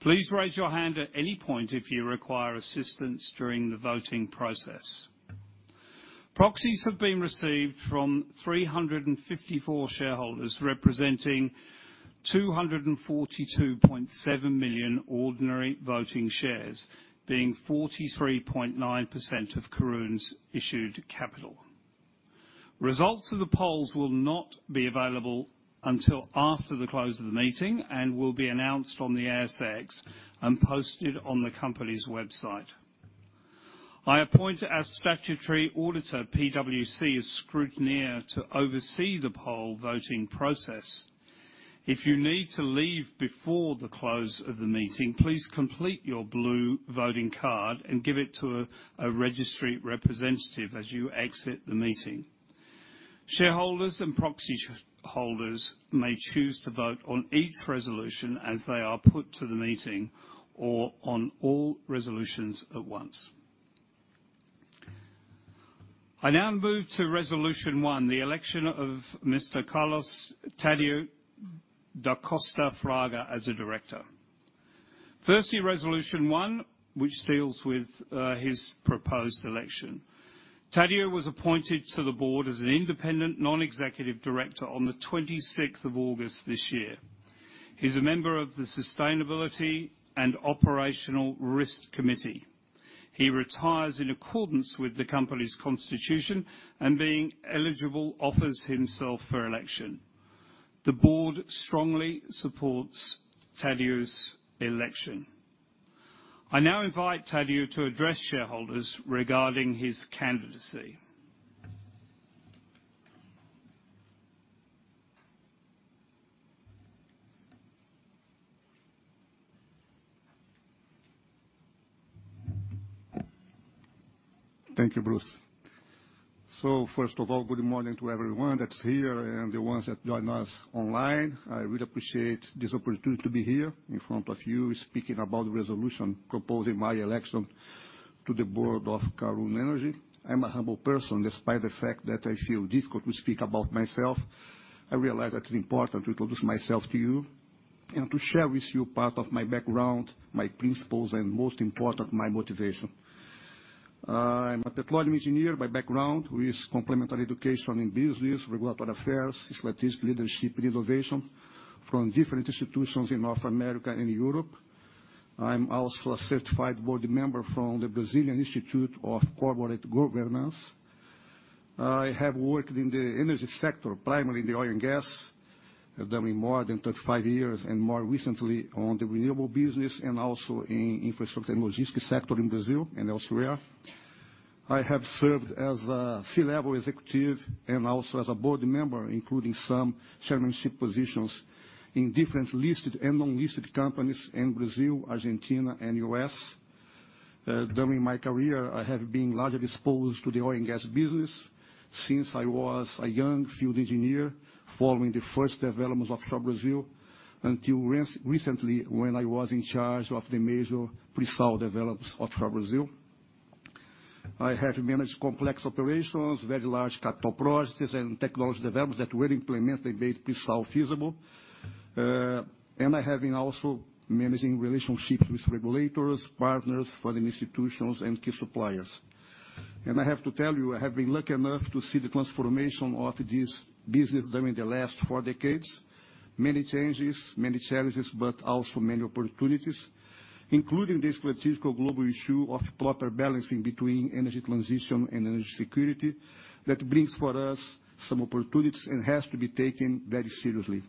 Please raise your hand at any point if you require assistance during the voting process. Proxies have been received from 354 shareholders, representing 242.7 million ordinary voting shares, being 43.9% of Karoon's issued capital. Results of the polls will not be available until after the close of the meeting, will be announced on the ASX and posted on the company's website. I appoint our statutory auditor, PwC, as scrutineer to oversee the poll voting process. If you need to leave before the close of the meeting, please complete your blue voting card and give it to a registry representative as you exit the meeting. Shareholders and proxy holders may choose to vote on each resolution as they are put to the meeting or on all resolutions at once. I now move to resolution one, the election of Mr. Carlos Tadeu da Costa Fraga as a director. Firstly, resolution one, which deals with his proposed election. Tadeu was appointed to the board as an independent non-executive director on the 26th of August this year. He's a member of the Sustainability and Operational Risk Committee. He retires in accordance with the company's constitution, and being eligible, offers himself for election. The Board strongly supports Tadeu's election. I now invite Tadeu to address shareholders regarding his candidacy. Thank you, Bruce. First of all, good morning to everyone that's here and the ones that join us online. I really appreciate this opportunity to be here in front of you speaking about the resolution proposing my election to the board of Karoon Energy. I'm a humble person, despite the fact that I feel difficult to speak about myself. I realize that it's important to introduce myself to you and to share with you part of my background, my principles, and most important, my motivation. I'm a petroleum engineer by background with complementary education in business, regulatory affairs, statistics, leadership, and innovation from different institutions in North America and Europe. I'm also a certified board member from the Brazilian Institute of Corporate Governance. I have worked in the energy sector, primarily the oil and gas, then in more than 35 years, and more recently on the renewable business and also in infrastructure and logistics sector in Brazil and elsewhere. I have served as a C-level executive and also as a board member, including some chairmanship positions in different listed and non-listed companies in Brazil, Argentina, and U.S. During my career, I have been largely exposed to the oil and gas business since I was a young field engineer following the first developments of offshore Brazil until recently when I was in charge of the major pre-salt developments of offshore Brazil. I have managed complex operations, very large capital projects, and technology developments that were implemented that made pre-salt feasible. And I have been also managing relationships with regulators, partners, funding institutions, and key suppliers. I have to tell you, I have been lucky enough to see the transformation of this business during the last four decades. Many changes, many challenges, but also many opportunities, including this critical global issue of proper balancing between energy transition and energy security that brings for us some opportunities and has to be taken very seriously.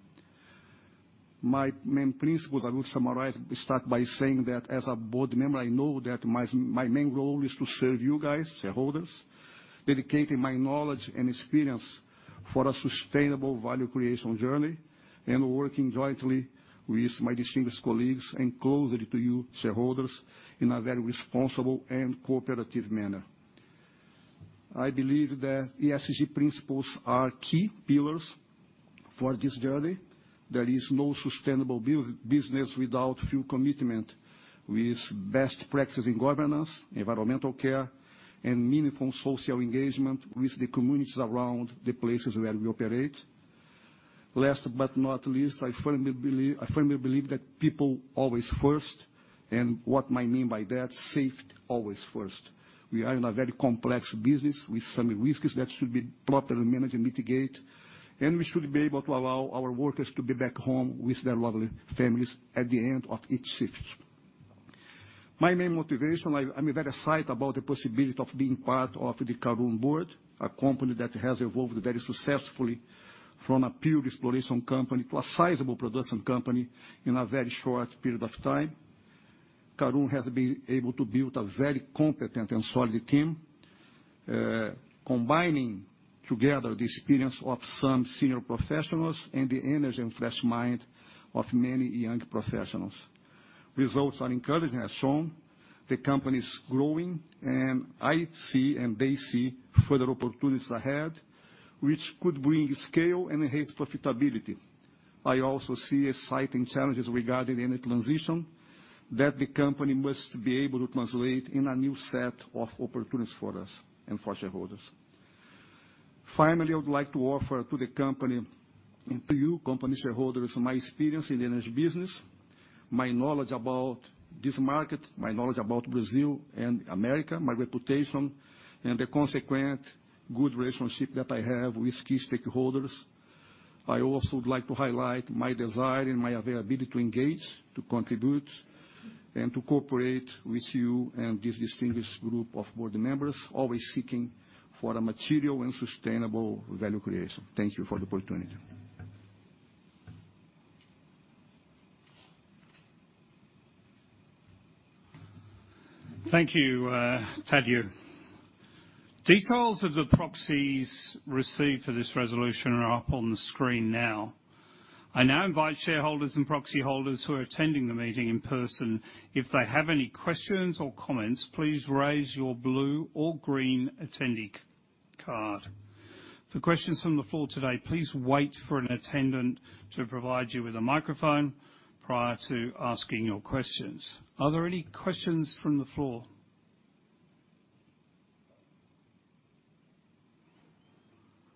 My main principles, I will summarize, start by saying that as a board member, I know that my main role is to serve you guys, shareholders, dedicating my knowledge and experience for a sustainable value creation journey and working jointly with my distinguished colleagues and closer to you, shareholders, in a very responsible and cooperative manner. I believe that ESG principles are key pillars for this journey. There is no sustainable business without full commitment with best practices in governance, environmental care, and meaningful social engagement with the communities around the places where we operate. Last but not least, I firmly believe that people always first, and what I mean by that, safety always first. We are in a very complex business with some risks that should be properly managed and mitigate, We should be able to allow our workers to be back home with their lovely families at the end of each shift. My main motivation, I'm very excited about the possibility of being part of the Karoon board, a company that has evolved very successfully from a pure exploration company to a sizable production company in a very short period of time. Karoon has been able to build a very competent and solid team, combining together the experience of some senior professionals and the energy and fresh mind of many young professionals. Results are encouraging as shown. The company's growing, and they see further opportunities ahead which could bring scale and enhance profitability. I also see exciting challenges regarding energy transition that the company must be able to translate in a new set of opportunities for us and for shareholders. Finally, I would like to offer to the company, and to you, company shareholders, my experience in the energy business, my knowledge about this market, my knowledge about Brazil and America, my reputation, and the consequent good relationship that I have with key stakeholders. I also would like to highlight my desire and my availability to engage, to contribute, and to cooperate with you and this distinguished group of board members, always seeking for a material and sustainable value creation. Thank you for the opportunity. Thank you, Tadeu. Details of the proxies received for this resolution are up on the screen now. I now invite shareholders and proxy holders who are attending the meeting in person, if they have any questions or comments, please raise your blue or green attendee card. For questions from the floor today, please wait for an attendant to provide you with a microphone prior to asking your questions. Are there any questions from the floor?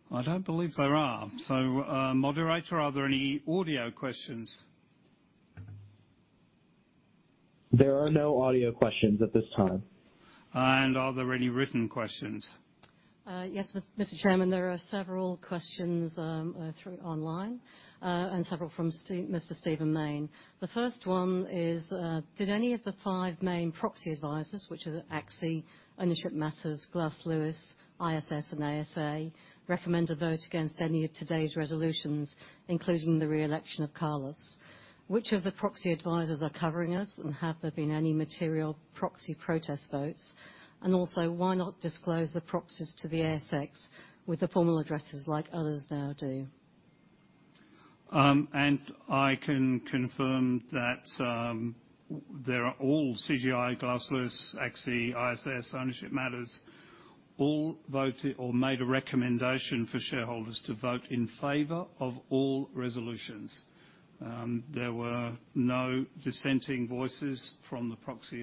I don't believe there are. Moderator, are there any audio questions? There are no audio questions at this time. Are there any written questions? Yes, Mr. Chairman, there are several questions through online, and several from Mr. Steven Main. The first one is, did any of the five main proxy advisors, which is ACSI, Ownership Matters, Glass Lewis, ISS, and ASA, recommend a vote against any of today's resolutions, including the re-election of Carlos? Which of the proxy advisors are covering us, have there been any material proxy protest votes? Also, why not disclose the proxies to the ASX with the formal addresses like others now do? I can confirm that, they're all CGI, Glass Lewis, ACSI, ISS, Ownership Matters, all voted or made a recommendation for shareholders to vote in favor of all resolutions. There were no dissenting voices from the proxy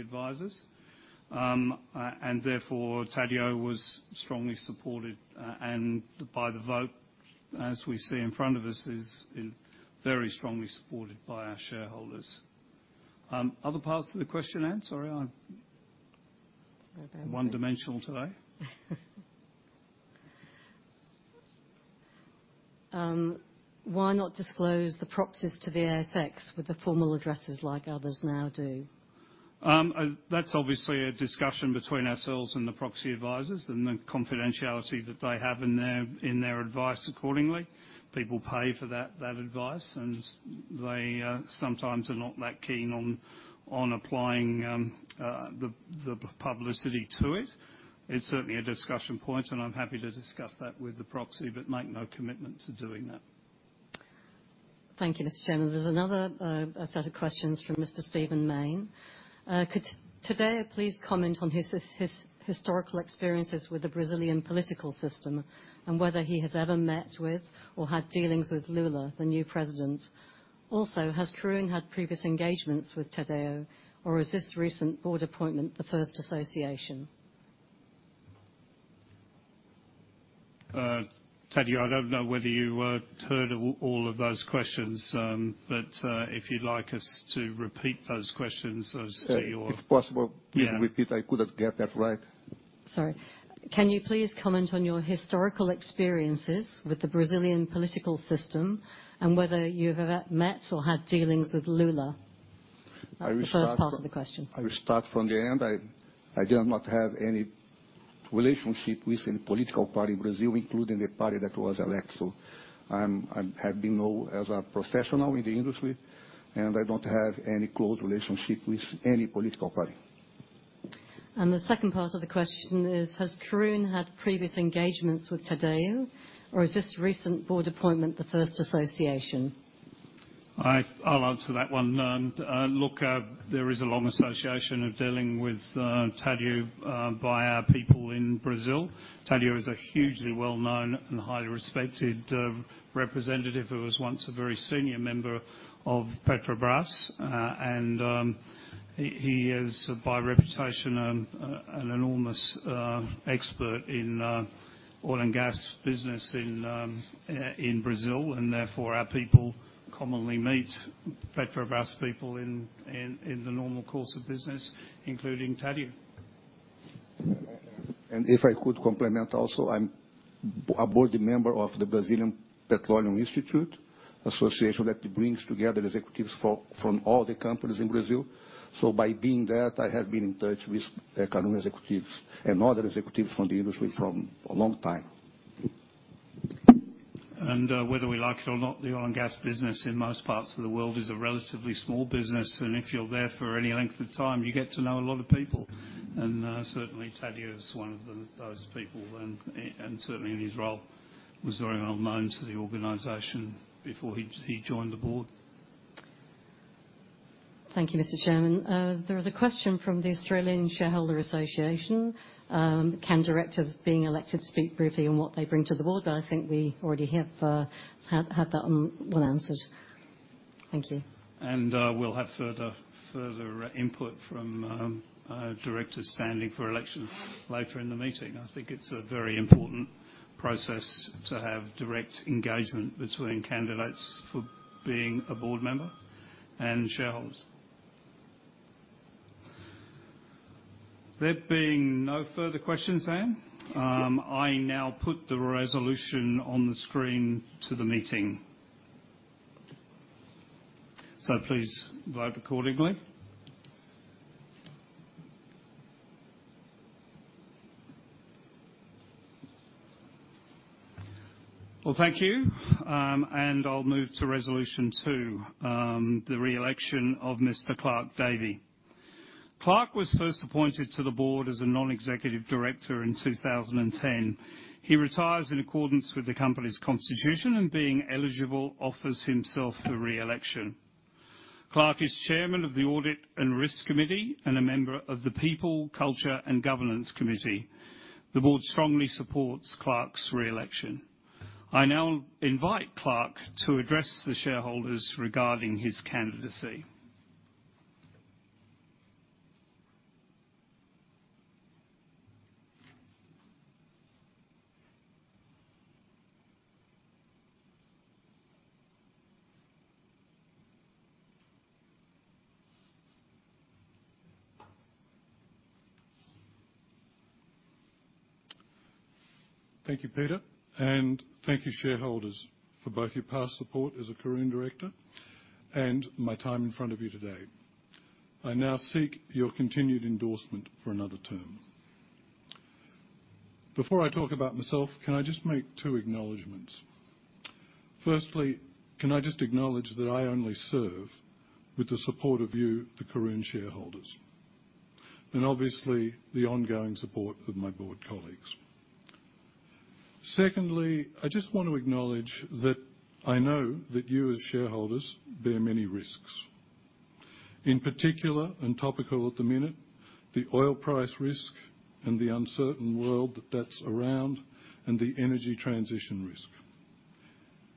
advisors. Therefore, Tadeu was strongly supported. By the vote, as we see in front of us, is very strongly supported by our shareholders. Other parts to the question, Anne? Sorry, I'm- Sorry about that. one-dimensional today. Why not disclose the proxies to the ASX with the formal addresses like others now do? That's obviously a discussion between ourselves and the proxy advisors and the confidentiality that they have in their advice accordingly. People pay for that advice, and they sometimes are not that keen on applying the publicity to it. It's certainly a discussion point, and I'm happy to discuss that with the proxy, but make no commitment to doing that. Thank you, Mr. Chairman. There's another set of questions from Mr. Steven Main. Could Tadeu please comment on his historical experiences with the Brazilian political system and whether he has ever met with or had dealings with Lula, the new president? Also, has Karoon had previous engagements with Tadeu, or is this recent board appointment the first association? Tadeu, I don't know whether you heard all of those questions, but, if you'd like us to repeat those questions as to your-. If possible- Yeah... please repeat. I couldn't get that right. Sorry. Can you please comment on your historical experiences with the Brazilian political system and whether you've ever met or had dealings with Lula? I will. That's the first part of the question. I will start from the end. I do not have any relationship with any political party in Brazil, including the party that was elected. I have been known as a professional in the industry. I don't have any close relationship with any political party. The second part of the question is, has Karoon had previous engagements with Tadeu, or is this recent board appointment the first association? I'll answer that one. Look, there is a long association of dealing with Tadeu by our people in Brazil. Tadeu is a hugely well-known and highly respected representative who was once a very senior member of Petrobras. He is by reputation an enormous expert in oil and gas business in Brazil. Therefore, our people commonly meet Petrobras people in the normal course of business, including Tadeu. If I could complement also, I'm a board member of the Brazilian Petroleum Institute, association that brings together executives from all the companies in Brazil. By being that, I have been in touch with Karoon executives and other executives from the industry from a long time. Whether we like it or not, the oil and gas business in most parts of the world is a relatively small business. If you're there for any length of time, you get to know a lot of people. Certainly Tadeu is one of those people and certainly in his role, was very well-known to the organization before he joined the board. Thank you, Mr. Chairman. There is a question from the Australian Shareholders' Association. Can directors being elected speak briefly on what they bring to the board? I think we already had that one answered. Thank you. We'll have further input from directors standing for elections later in the meeting. I think it's a very important process to have direct engagement between candidates for being a board member and shareholders. There being no further questions, I now put the resolution on the screen to the meeting. Please vote accordingly. Well, thank you. I'll move to resolution two, the re-election of Mr. Clark Davey. Clark was first appointed to the board as a non-executive director in 2010. He retires in accordance with the company's constitution and being eligible, offers himself for re-election. Clark is Chairman of the Audit and Risk Committee and a member of the People, Culture and Governance Committee. The board strongly supports Clark's re-election. I now invite Clark to address the shareholders regarding his candidacy. Thank you, Peter, and thank you shareholders for both your past support as a Karoon director and my time in front of you today. I now seek your continued endorsement for another term. Before I talk about myself, can I just make two acknowledgments? Firstly, can I just acknowledge that I only serve with the support of you, the Karoon shareholders, and obviously the ongoing support of my board colleagues. Secondly, I just want to acknowledge that I know that you as shareholders bear many risks. In particular, and topical at the minute, the oil price risk and the uncertain world that that's around and the energy transition risk.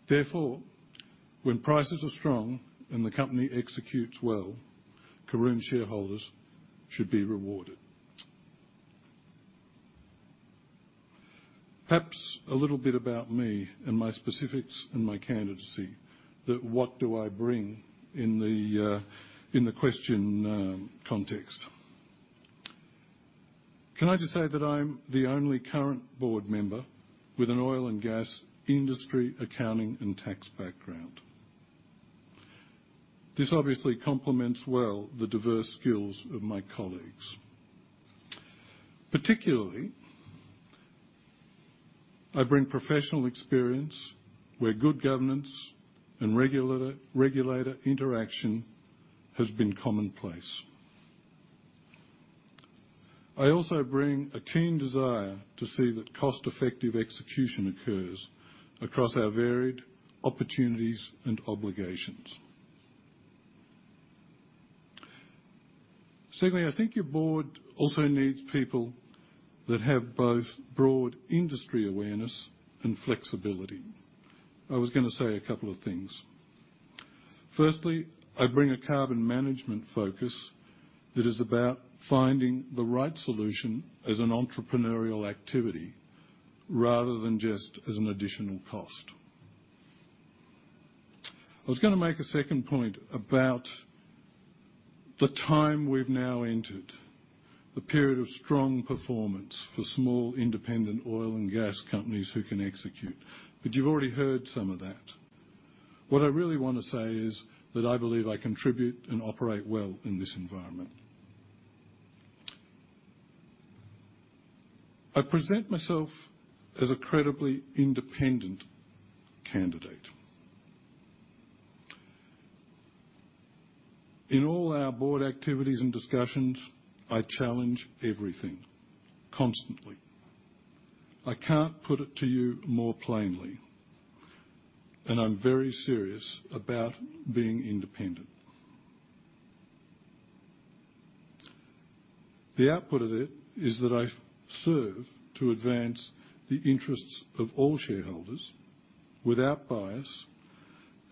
Therefore, when prices are strong and the company executes well, Karoon shareholders should be rewarded. Perhaps a little bit about me and my specifics and my candidacy, that what do I bring in the question context. Can I just say that I'm the only current board member with an oil and gas industry accounting and tax background. This obviously complements well the diverse skills of my colleagues. Particularly, I bring professional experience where good governance and regulator interaction has been commonplace. I also bring a keen desire to see that cost-effective execution occurs across our varied opportunities and obligations. Secondly, I think your board also needs people that have both broad industry awareness and flexibility. I was gonna say a couple of things. Firstly, I bring a carbon management focus that is about finding the right solution as an entrepreneurial activity rather than just as an additional cost. I was gonna make a second point about the time we've now entered, the period of strong performance for small independent oil and gas companies who can execute. You've already heard some of that. What I really wanna say is that I believe I contribute and operate well in this environment. I present myself as a credibly independent candidate. In all our board activities and discussions, I challenge everything constantly. I can't put it to you more plainly. I'm very serious about being independent. The output of it is that I serve to advance the interests of all shareholders without bias.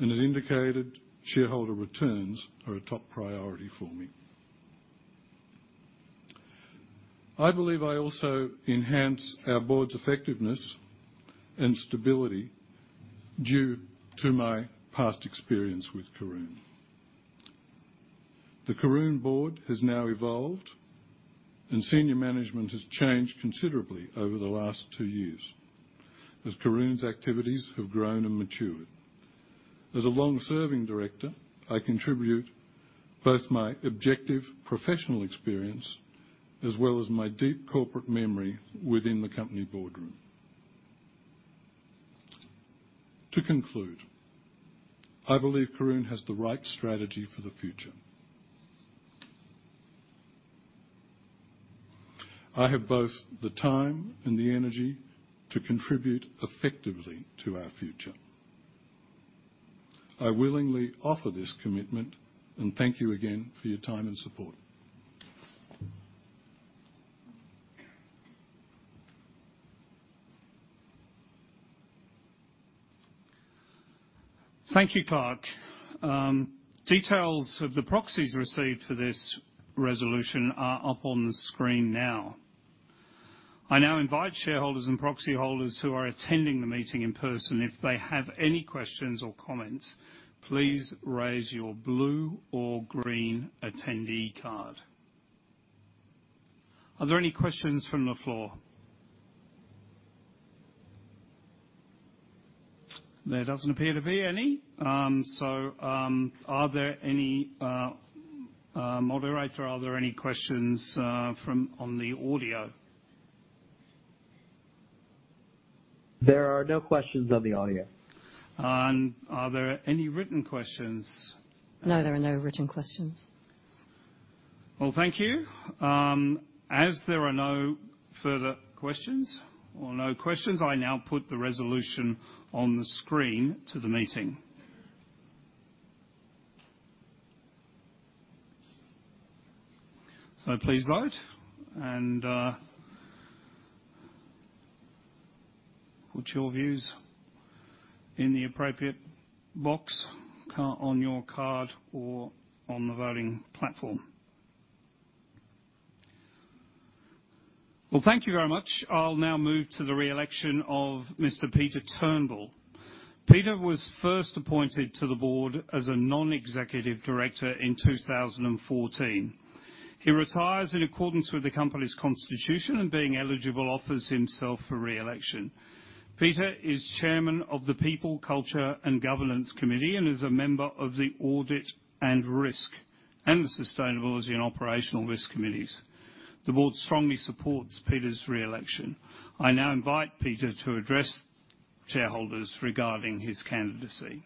As indicated, shareholder returns are a top priority for me. I believe I also enhance our board's effectiveness and stability due to my past experience with Karoon. The Karoon board has now evolved, and senior management has changed considerably over the last two years as Karoon's activities have grown and matured. As a long-serving director, I contribute both my objective professional experience as well as my deep corporate memory within the company boardroom. To conclude, I believe Karoon has the right strategy for the future. I have both the time and the energy to contribute effectively to our future. I willingly offer this commitment, and thank you again for your time and support. Thank you, Clark. Details of the proxies received for this resolution are up on the screen now. I now invite shareholders and proxy holders who are attending the meeting in person, if they have any questions or comments, please raise your blue or green attendee card. Are there any questions from the floor? There doesn't appear to be any. Moderator, are there any questions from on the audio? There are no questions on the audio. Are there any written questions? No, there are no written questions. Well, thank you. As there are no further questions or no questions, I now put the resolution on the screen to the meeting. Please vote and put your views in the appropriate box on your card or on the voting platform. Well, thank you very much. I'll now move to the re-election of Mr. Peter Turnbull. Peter was first appointed to the board as a non-executive director in 2014. He retires in accordance with the company's constitution and, being eligible, offers himself for re-election. Peter is chairman of the People, Culture and Governance Committee and is a member of the Audit and Risk and the Sustainability and Operational Risk Committees. The board strongly supports Peter's re-election. I now invite Peter to address shareholders regarding his candidacy.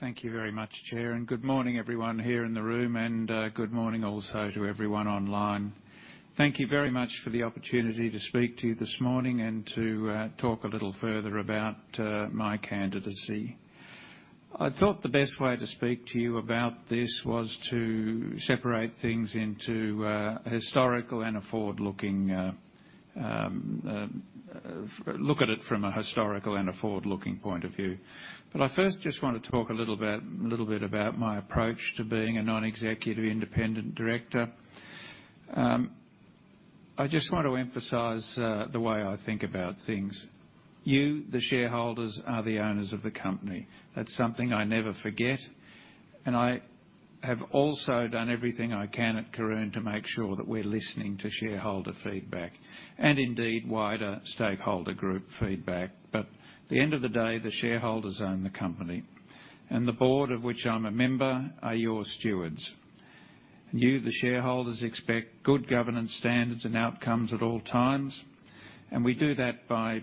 Thank you very much, Chair. Good morning, everyone here in the room, and good morning also to everyone online. Thank you very much for the opportunity to speak to you this morning and to talk a little further about my candidacy. I thought the best way to speak to you about this was to separate things into historical and forward-looking. I look at it from a historical and a forward-looking point of view. I first just want to talk a little bit about my approach to being a non-executive independent director. I just want to emphasize the way I think about things. You, the shareholders, are the owners of the company. That's something I never forget. I have also done everything I can at Karoon to make sure that we're listening to shareholder feedback and indeed wider stakeholder group feedback. At the end of the day, the shareholders own the company, and the board, of which I'm a member, are your stewards. You, the shareholders, expect good governance standards and outcomes at all times, and we do that by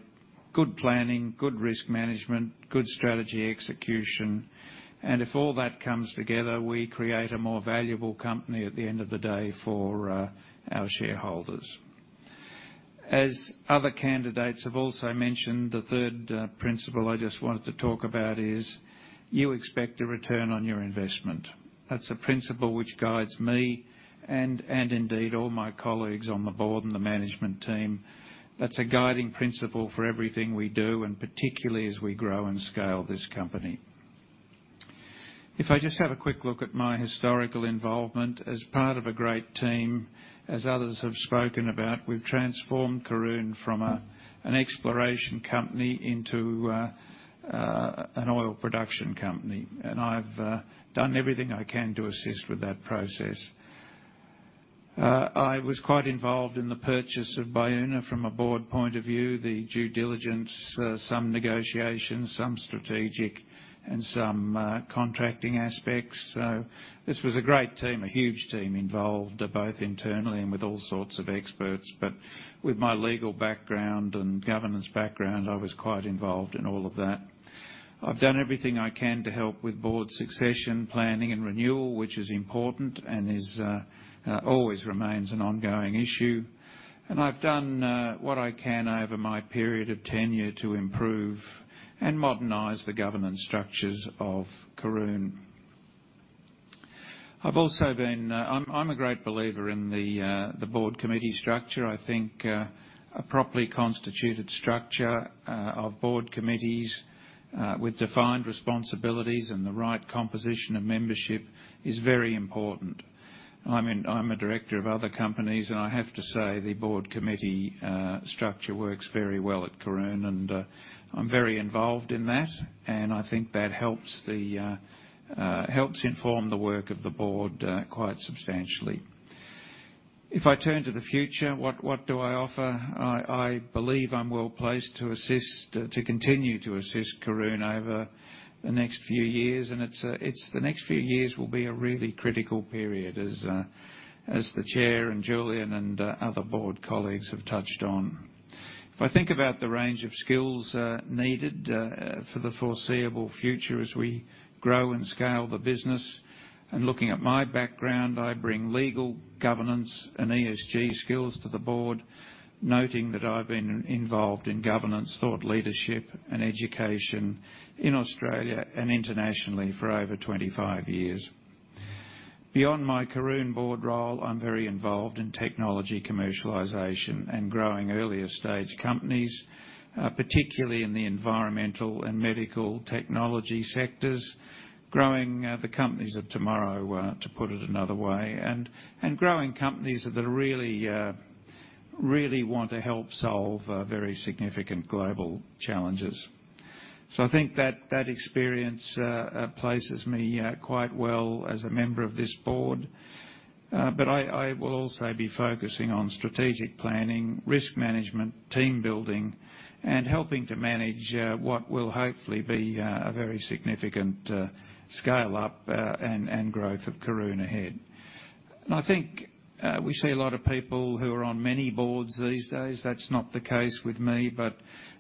good planning, good risk management, good strategy execution, and if all that comes together, we create a more valuable company at the end of the day for our shareholders. As other candidates have also mentioned, the third principle I just wanted to talk about is you expect a return on your investment. That's a principle which guides me and indeed all my colleagues on the board and the management team. That's a guiding principle for everything we do and particularly as we grow and scale this company. If I just have a quick look at my historical involvement as part of a great team. As others have spoken about, we've transformed Karoon from an exploration company into an oil production company, and I've done everything I can to assist with that process. I was quite involved in the purchase of Baúna from a board point of view, the due diligence, some negotiations, some strategic and some contracting aspects. This was a great team, a huge team involved, both internally and with all sorts of experts. With my legal background and governance background, I was quite involved in all of that. I've done everything I can to help with board succession, planning and renewal, which is important and is always remains an ongoing issue. I've done what I can over my period of tenure to improve and modernize the governance structures of Karoon. I've also been. I'm a great believer in the board committee structure. I think a properly constituted structure of board committees with defined responsibilities and the right composition of membership is very important. I'm a director of other companies, and I have to say the board committee structure works very well at Karoon, and I'm very involved in that, and I think that helps the helps inform the work of the board quite substantially. If I turn to the future, what do I offer? I believe I'm well-placed to assist to continue to assist Karoon over the next few years, and the next few years will be a really critical period as the Chair and Julian and other board colleagues have touched on. If I think about the range of skills needed for the foreseeable future as we grow and scale the business and looking at my background, I bring legal, governance and ESG skills to the board, noting that I've been involved in governance, thought leadership and education in Australia and internationally for over 25 years. Beyond my Karoon board role, I'm very involved in technology commercialization and growing earlier stage companies, particularly in the environmental and medical technology sectors, growing the companies of tomorrow, to put it another way, and growing companies that really want to help solve very significant global challenges. I think that experience places me quite well as a member of this board. focusing on strategic planning, risk management, team building and helping to manage what will hopefully be a very significant scale-up and growth of Karoon ahead. I think, we see a lot of people who are on many boards these days. That's not the case with me, but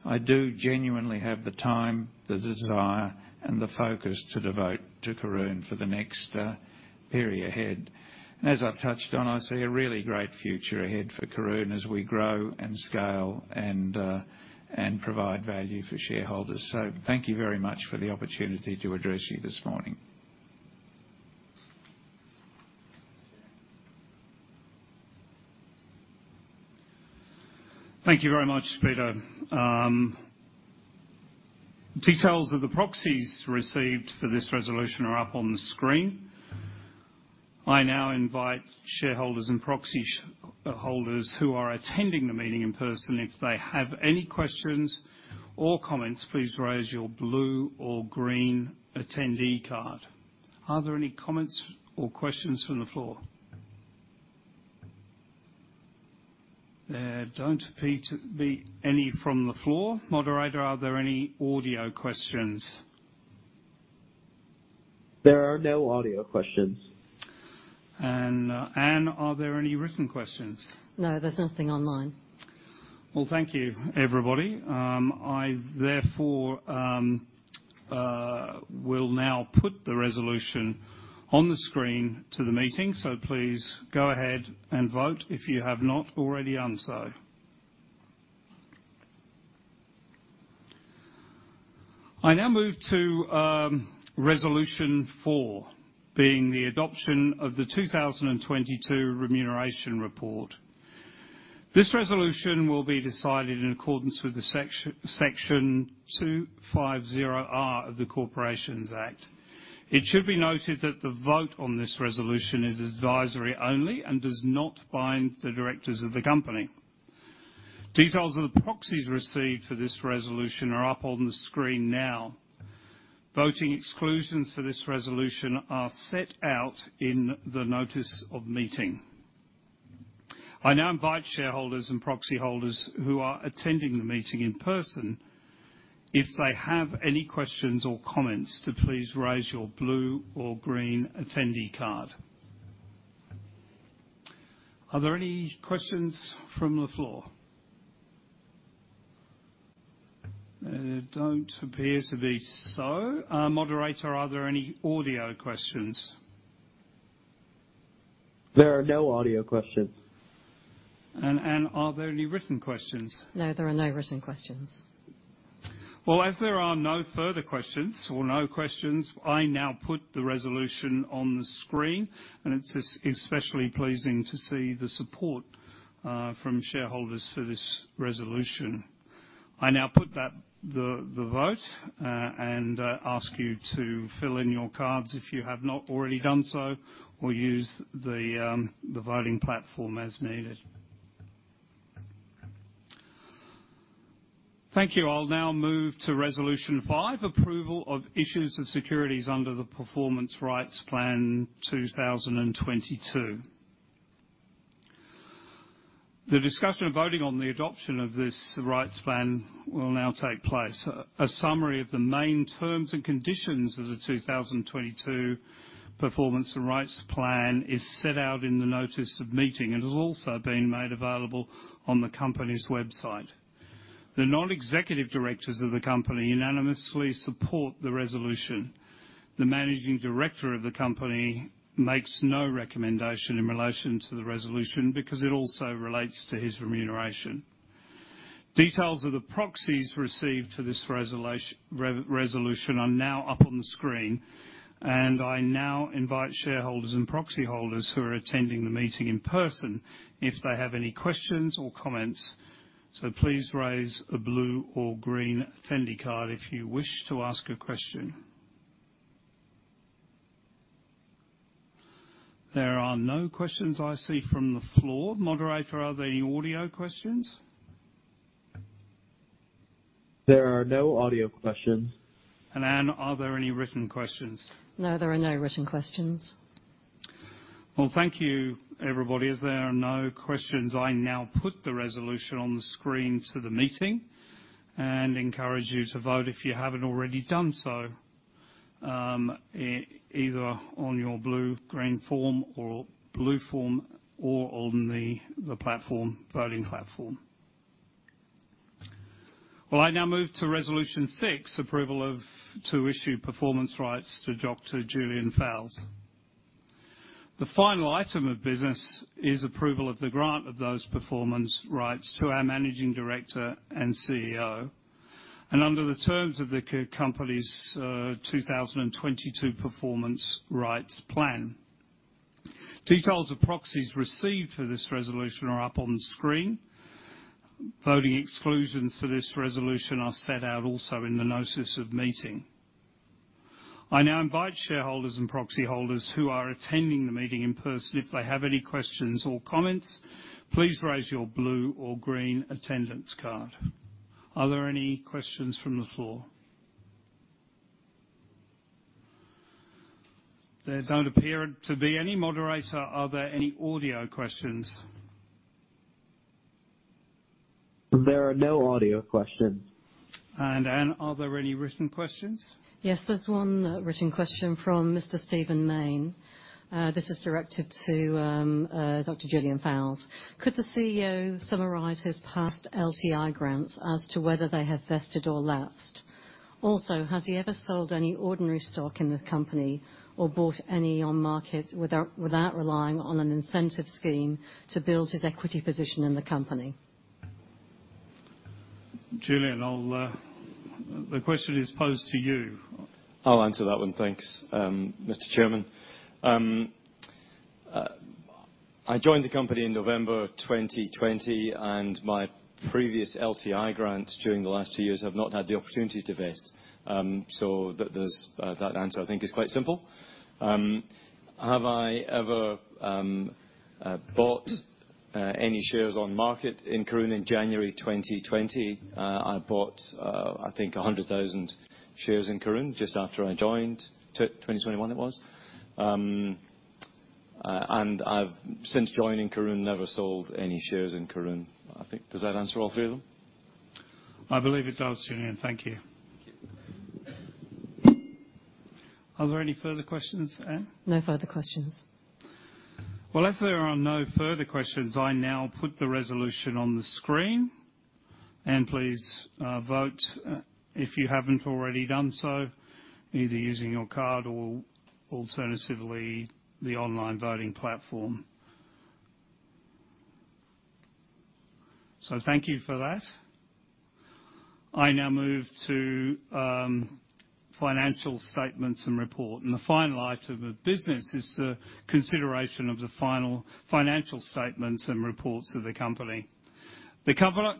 I do genuinely have the time, the desire, and the focus to devote to Karoon for the next period ahead. As I've touched on, I see a really great future ahead for Karoon as we grow and scale and provide value for shareholders. Thank you very much for the opportunity to address you this morning. Thank you very much, Peter. Details of the proxies received for this resolution are up on the screen. I now invite shareholders and proxy holders who are attending the meeting in person, if they have any questions or comments, please raise your blue or green attendee card. Are there any comments or questions from the floor? There don't appear to be any from the floor. Moderator, are there any audio questions? There are no audio questions. Anne, are there any written questions? No, there's nothing online. Thank you, everybody. I therefore will now put the resolution on the screen to the meeting. Please go ahead and vote if you have not already done so. I now move to resolution four, being the adoption of the 2022 remuneration report. This resolution will be decided in accordance with section 250R of the Corporations Act. It should be noted that the vote on this resolution is advisory only and does not bind the directors of the company. Details of the proxies received for this resolution are up on the screen now. Voting exclusions for this resolution are set out in the notice of meeting. I now invite shareholders and proxy holders who are attending the meeting in person, if they have any questions or comments, to please raise your blue or green attendee card. Are there any questions from the floor? Don't appear to be so. Moderator, are there any audio questions? There are no audio questions. Anne, are there any written questions? No, there are no written questions. Well, as there are no further questions or no questions, I now put the resolution on the screen, and it's especially pleasing to see the support from shareholders for this resolution. I now put the vote, and ask you to fill in your cards if you have not already done so or use the voting platform as needed. Thank you. I'll now move to resolution five, approval of issues of securities under the Performance Rights Plan 2022. The discussion and voting on the adoption of this rights plan will now take place. A summary of the main terms and conditions of the 2022 Performance Rights Plan is set out in the notice of meeting. It has also been made available on the company's website. The non-executive directors of the company unanimously support the resolution. The managing director of the company makes no recommendation in relation to the resolution because it also relates to his remuneration. Details of the proxies received to this re-resolution are now up on the screen, I now invite shareholders and proxy holders who are attending the meeting in person if they have any questions or comments. Please raise a blue or green attendee card if you wish to ask a question. There are no questions I see from the floor. Moderator, are there any audio questions? There are no audio questions. Anne, are there any written questions? No, there are no written questions. Well, thank you, everybody. As there are no questions, I now put the resolution on the screen to the meeting and encourage you to vote if you haven't already done so, either on your blue-green form or blue form or on the platform, voting platform. Well, I now move to resolution six, approval of to issue performance rights to Dr. Julian Fowles. The final item of business is approval of the grant of those performance rights to our Managing Director and CEO. Under the terms of the company's 2022 Performance Rights Plan. Details of proxies received for this resolution are up on screen. Voting exclusions for this resolution are set out also in the notice of meeting. I now invite shareholders and proxy holders who are attending the meeting in person, if they have any questions or comments, please raise your blue or green attendance card. Are there any questions from the floor? There don't appear to be any. Moderator, are there any audio questions? There are no audio questions. Anne, are there any written questions? Yes, there's one written question from Mr. Steven Main. This is directed to Dr. Julian Fowles. Could the CEO summarize his past LTI grants as to whether they have vested or lapsed? Also, has he ever sold any ordinary stock in the company or bought any on market without relying on an incentive scheme to build his equity position in the company? Julian, I'll. The question is posed to you. I'll answer that one, thanks, Mr. Chairman. I joined the company in November of 2020, and my previous LTI grants during the last two years have not had the opportunity to vest. There's that answer I think is quite simple. Have I ever bought any shares on market in Karoon in January 2020? I bought, I think 100,000 shares in Karoon just after I joined, 2021 it was. I've since joining Karoon, never sold any shares in Karoon. I think, does that answer all three of them? I believe it does, Julian. Thank you. Thank you. Are there any further questions, Anne? No further questions. Well, as there are no further questions, I now put the resolution on the screen. Please vote if you haven't already done so, either using your card or alternatively, the online voting platform. Thank you for that. I now move to financial statements and report. The final item of business is the consideration of the final financial statements and reports of the company. The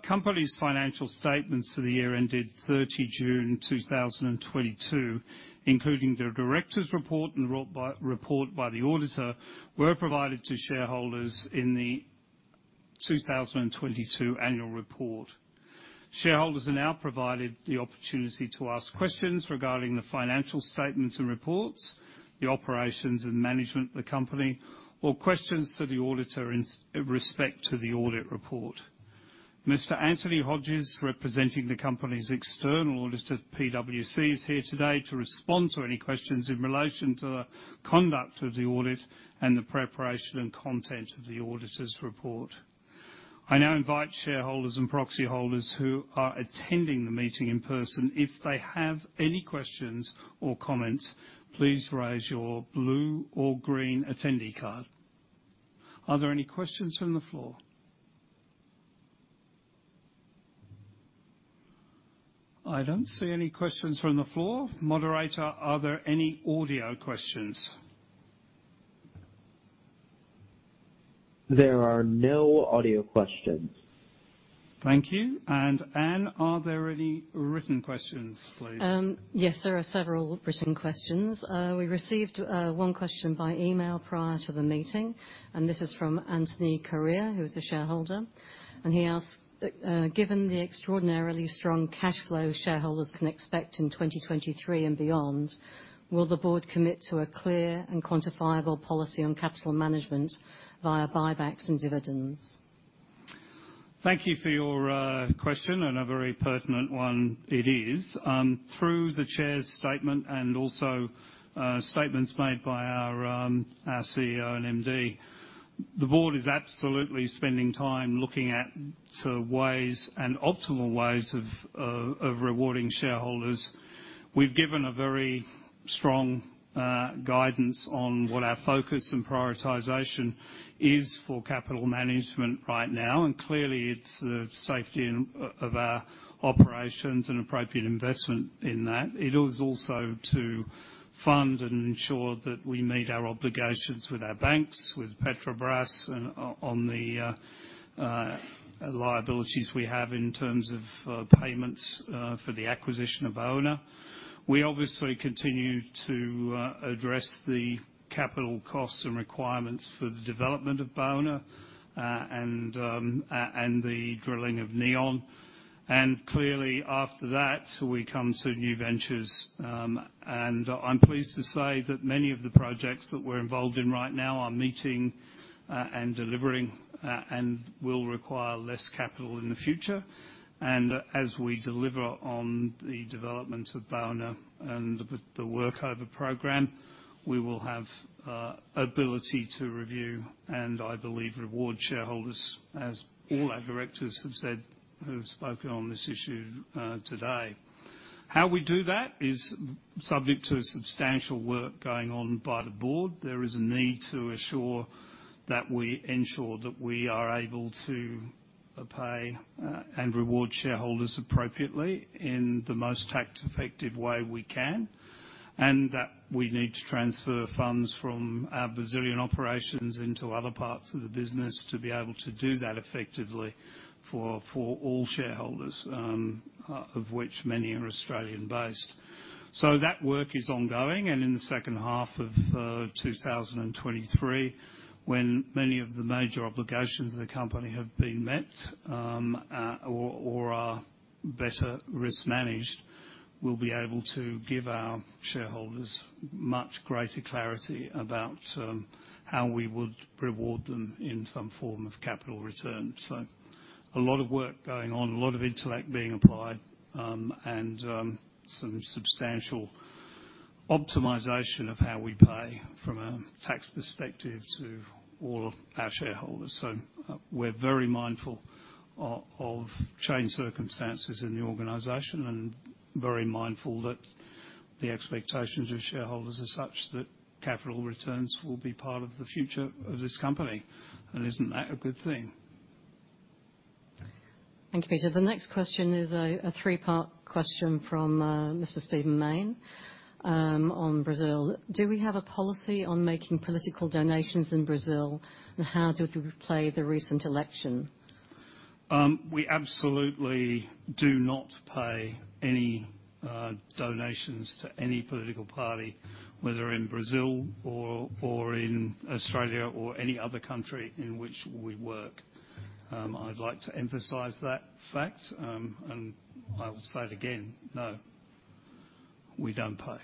company's financial statements for the year ended 30 June 2022, including the director's report and report by the auditor, were provided to shareholders in the 2022 annual report. Shareholders are now provided the opportunity to ask questions regarding the financial statements and reports, the operations and management of the company, or questions to the auditor in respect to the audit report. Mr. Anthony Hodges, representing the company's external auditor, PwC, is here today to respond to any questions in relation to the conduct of the audit and the preparation and content of the auditor's report. I now invite shareholders and proxy holders who are attending the meeting in person, if they have any questions or comments, please raise your blue or green attendee card. Are there any questions from the floor? I don't see any questions from the floor. Moderator, are there any audio questions? There are no audio questions. Thank you. Anne, are there any written questions, please? Yes, there are several written questions. We received one question by email prior to the meeting, this is from Anthony Correa, who is a shareholder. He asks, "Given the extraordinarily strong cash flow shareholders can expect in 2023 and beyond, will the board commit to a clear and quantifiable policy on capital management via buybacks and dividends? Thank you for your question, and a very pertinent one it is. Through the Chair's statement and also statements made by our CEO and MD, the board is absolutely spending time looking at sort of ways and optimal ways of rewarding shareholders. We've given a very strong guidance on what our focus and prioritization is for capital management right now. Clearly it's the safety and of our operations and appropriate investment in that. It is also to fund and ensure that we meet our obligations with our banks, with Petrobras and on the liabilities we have in terms of payments for the acquisition of Baúna. We obviously continue to address the capital costs and requirements for the development of Baúna, the drilling of Neon. Clearly after that, we come to new ventures. I'm pleased to say that many of the projects that we're involved in right now are meeting, and delivering and will require less capital in the future. As we deliver on the development of Baúna and the work over program, we will have ability to review and I believe reward shareholders, as all our directors have said who have spoken on this issue today. How we do that is subject to substantial work going on by the board. There is a need to assure that we ensure that we are able to pay, and reward shareholders appropriately in the most tax effective way we can. That we need to transfer funds from our Brazilian operations into other parts of the business to be able to do that effectively for all shareholders, of which many are Australian-based. That work is ongoing, and in the second half of 2023, when many of the major obligations of the company have been met, or are better risk managed, we'll be able to give our shareholders much greater clarity about how we would reward them in some form of capital returns. A lot of work going on, a lot of intellect being applied, and some substantial optimization of how we pay from a tax perspective to all of our shareholders. We're very mindful of changed circumstances in the organization, and very mindful that the expectations of shareholders are such that capital returns will be part of the future of this company. Isn't that a good thing? Thank you, Peter. The next question is a three-part question from Mr. Steven Main on Brazil. Do we have a policy on making political donations in Brazil? How did we play the recent election? We absolutely do not pay any donations to any political party, whether in Brazil or in Australia or any other country in which we work. I'd like to emphasize that fact, and I'll say it again, no, we don't pay.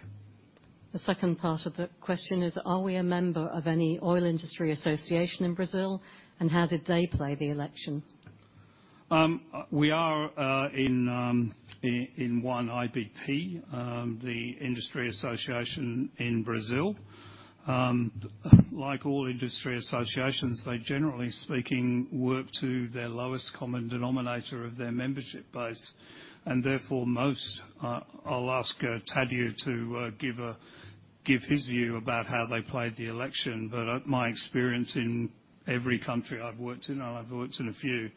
The second part of the question is, are we a member of any oil industry association in Brazil? How did they play the election? We are in one IBP, the industry association in Brazil. Like all industry associations, they generally speaking, work to their lowest common denominator of their membership base. Therefore, most, I'll ask Tadeu to give his view about how they played the election. My experience in every country I've worked in, and I've worked in a few,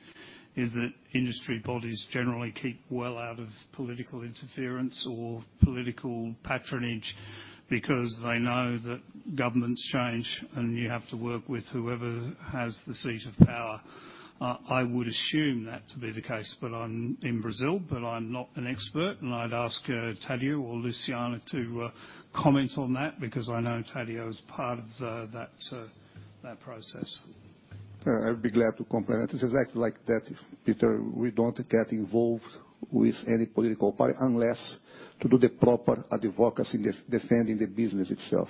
is that industry bodies generally keep well out of political interference or political patronage because they know that governments change, and you have to work with whoever has the seat of power. I would assume that to be the case, but in Brazil, but I'm not an expert, and I'd ask Tadeu or Luciana to comment on that, because I know Tadeu is part of that process. I'd be glad to comment. It's exactly like that, Peter. We don't get involved with any political party unless to do the proper advocacy defending the business itself.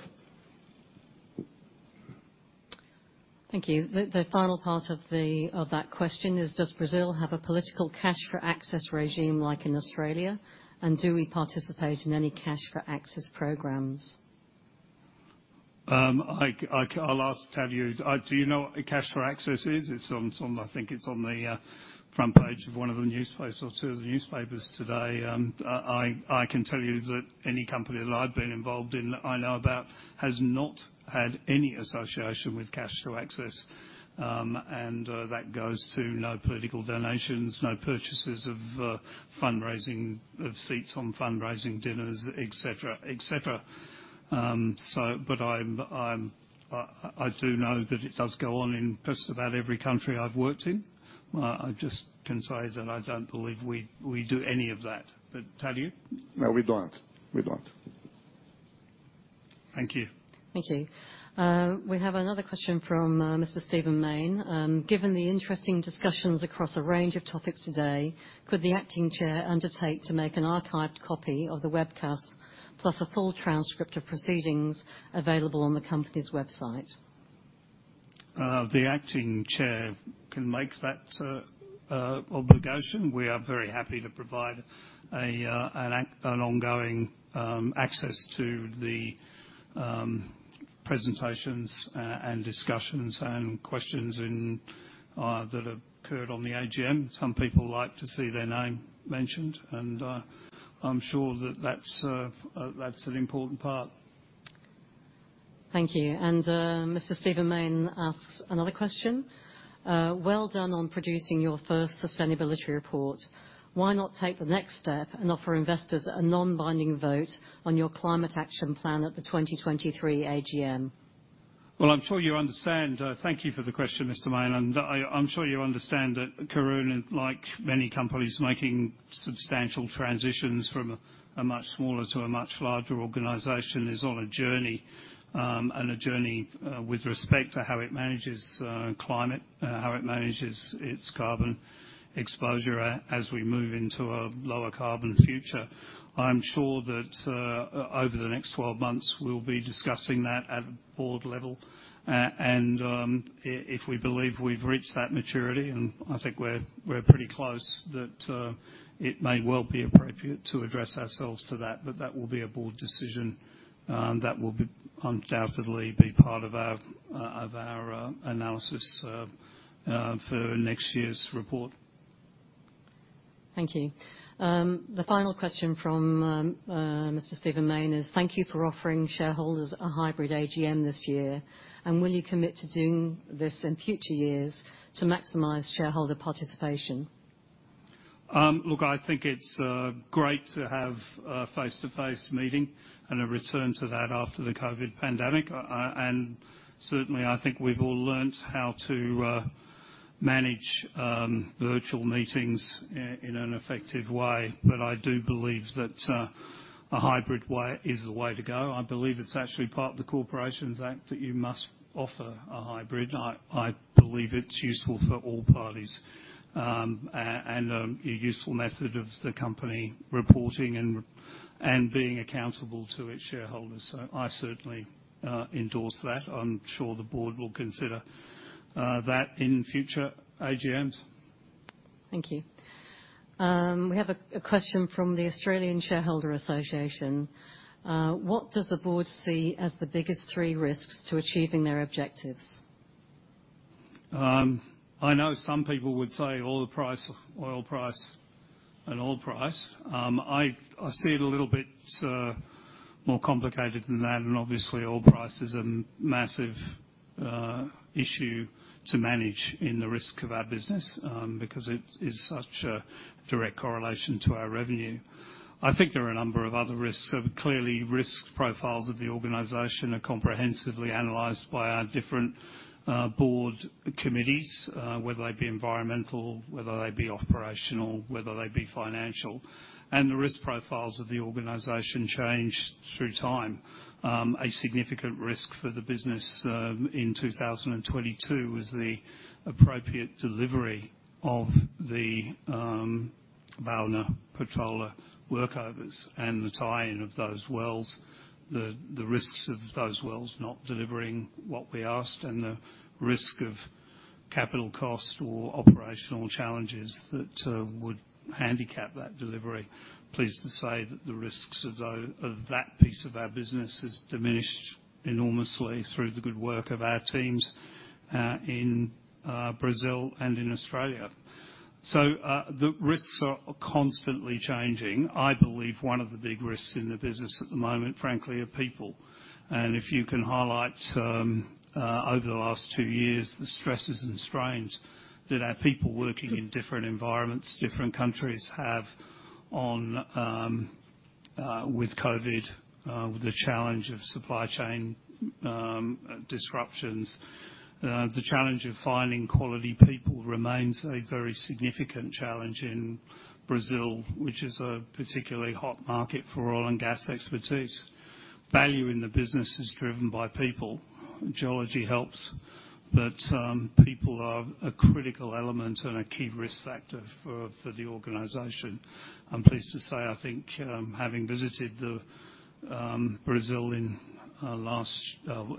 Thank you. The final part of that question is, does Brazil have a political cash for access regime like in Australia? Do we participate in any cash for access programs? I'll ask Tadeu. Do you know what cash for access is? It's on... I think it's on the front page of one of the newspapers or two of the newspapers today. I can tell you that any company that I've been involved in that I know about, has not had any association with cash for access. That goes to no political donations, no purchases of fundraising, of seats on fundraising dinners, et cetera, et cetera. I do know that it does go on in just about every country I've worked in. I just can say that I don't believe we do any of that. Tadeu? No, we don't. We don't. Thank you. Thank you. We have another question from Mr. Steven Main. Given the interesting discussions across a range of topics today, could the acting chair undertake to make an archived copy of the webcast plus a full transcript of proceedings available on the company's website? The acting chair can make that obligation. We are very happy to provide an ongoing access to the presentations and discussions and questions in that occurred on the AGM. Some people like to see their name mentioned, and I'm sure that's an important part. Thank you. Mr. Steven Main asks another question. Well done on producing your first sustainability report. Why not take the next step and offer investors a non-binding vote on your climate action plan at the 2023 AGM? Well, I'm sure you understand, thank you for the question, Mr. Main. I'm sure you understand that Karoon, like many companies making substantial transitions from a much smaller to a much larger organization, is on a journey. A journey with respect to how it manages climate, how it manages its carbon exposure as we move into a lower carbon future. I'm sure that over the next 12 months, we'll be discussing that at board level. If we believe we've reached that maturity, and I think we're pretty close, that it may well be appropriate to address ourselves to that will be a board decision that will be undoubtedly be part of our of our analysis for next year's report. Thank you. The final question from Mr. Steven Main is, "Thank you for offering shareholders a hybrid AGM this year. And will you commit to doing this in future years to maximize shareholder participation? Look, I think it's great to have a face-to-face meeting and a return to that after the COVID pandemic. Certainly, I think we've all learnt how to manage virtual meetings in an effective way. I do believe that a hybrid way is the way to go. I believe it's actually part of the Corporations Act that you must offer a hybrid. I believe it's useful for all parties. A useful method of the company reporting and being accountable to its shareholders. I certainly endorse that. I'm sure the board will consider that in future AGMs. Thank you. We have a question from the Australian Shareholders' Association. What does the board see as the biggest three risks to achieving their objectives? I know some people would say oil price, oil price and oil price. I see it a little bit more complicated than that. Obviously oil price is a massive issue to manage in the risk of our business because it is such a direct correlation to our revenue. I think there are a number of other risks. Clearly, risk profiles of the organization are comprehensively analyzed by our different board committees, whether they be environmental, whether they be operational, whether they be financial. The risk profiles of the organization change through time. A significant risk for the business in 2022 was the appropriate delivery of the Baúna-Patola workovers and the tie-in of those wells. The risks of those wells not delivering what we asked and the risk of capital cost or operational challenges that would handicap that delivery. Pleased to say that the risks of that piece of our business has diminished enormously through the good work of our teams in Brazil and in Australia. The risks are constantly changing. I believe one of the big risks in the business at the moment, frankly, are people. If you can highlight over the last two years, the stresses and strains that our people working in different environments, different countries have on with COVID, the challenge of supply chain disruptions. The challenge of finding quality people remains a very significant challenge in Brazil, which is a particularly hot market for oil and gas expertise. Value in the business is driven by people. Geology helps, but people are a critical element and a key risk factor for the organization. I'm pleased to say, I think, having visited Brazil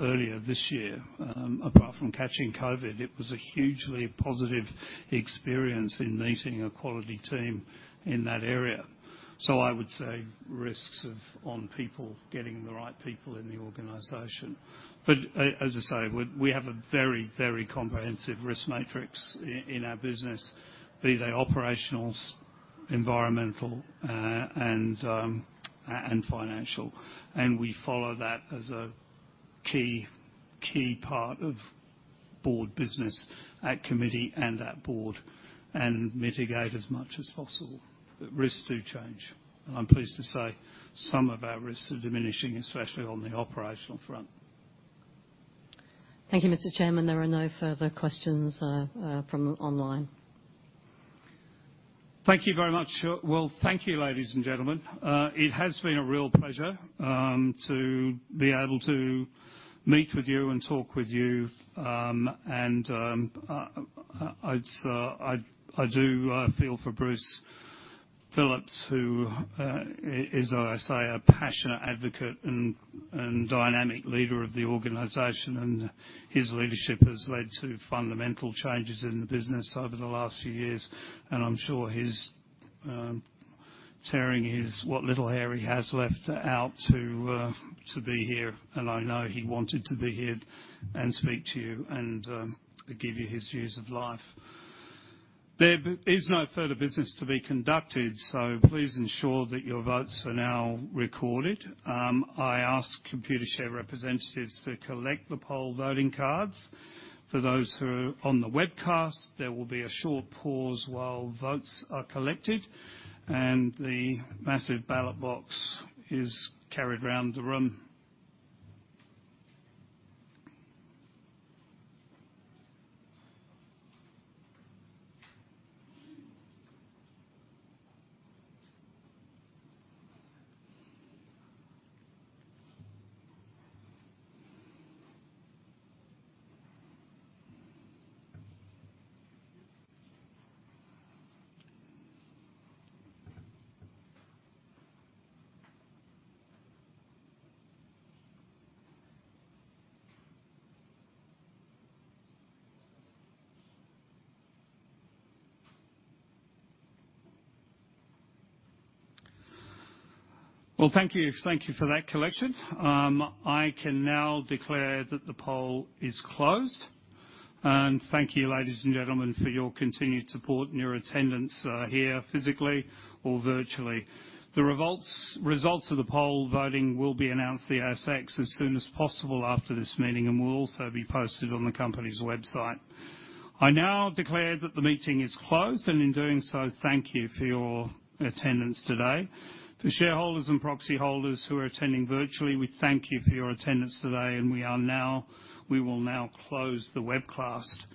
earlier this year, apart from catching COVID, it was a hugely positive experience in meeting a quality team in that area. I would say risks on people, getting the right people in the organization. As I say, we have a very, very comprehensive risk matrix in our business, be they operationals, environmental, and financial. We follow that as a key part of board business at committee and at board, and mitigate as much as possible. Risks do change. I'm pleased to say some of our risks are diminishing, especially on the operational front. Thank you, Mr. Chairman. There are no further questions from online. Thank you very much. Well, thank you, ladies and gentlemen. It has been a real pleasure to be able to meet with you and talk with you. I'd say I do feel for Bruce Phillips who is, as I say, a passionate advocate and dynamic leader of the organization. His leadership has led to fundamental changes in the business over the last few years. I'm sure he's tearing his, what little hair he has left, out to be here. I know he wanted to be here and speak to you and give you his views of life. There is no further business to be conducted. Please ensure that your votes are now recorded. I ask Computershare representatives to collect the poll voting cards. For those who are on the webcast, there will be a short pause while votes are collected and the massive ballot box is carried around the room. Well, thank you. Thank you for that collection. I can now declare that the poll is closed. Thank you, ladies and gentlemen, for your continued support and your attendance here physically or virtually. The results of the poll voting will be announced at ASX as soon as possible after this meeting and will also be posted on the company's website. I now declare that the meeting is closed, and in doing so, thank you for your attendance today. To shareholders and proxy holders who are attending virtually, we thank you for your attendance today, and we will now close the webcast.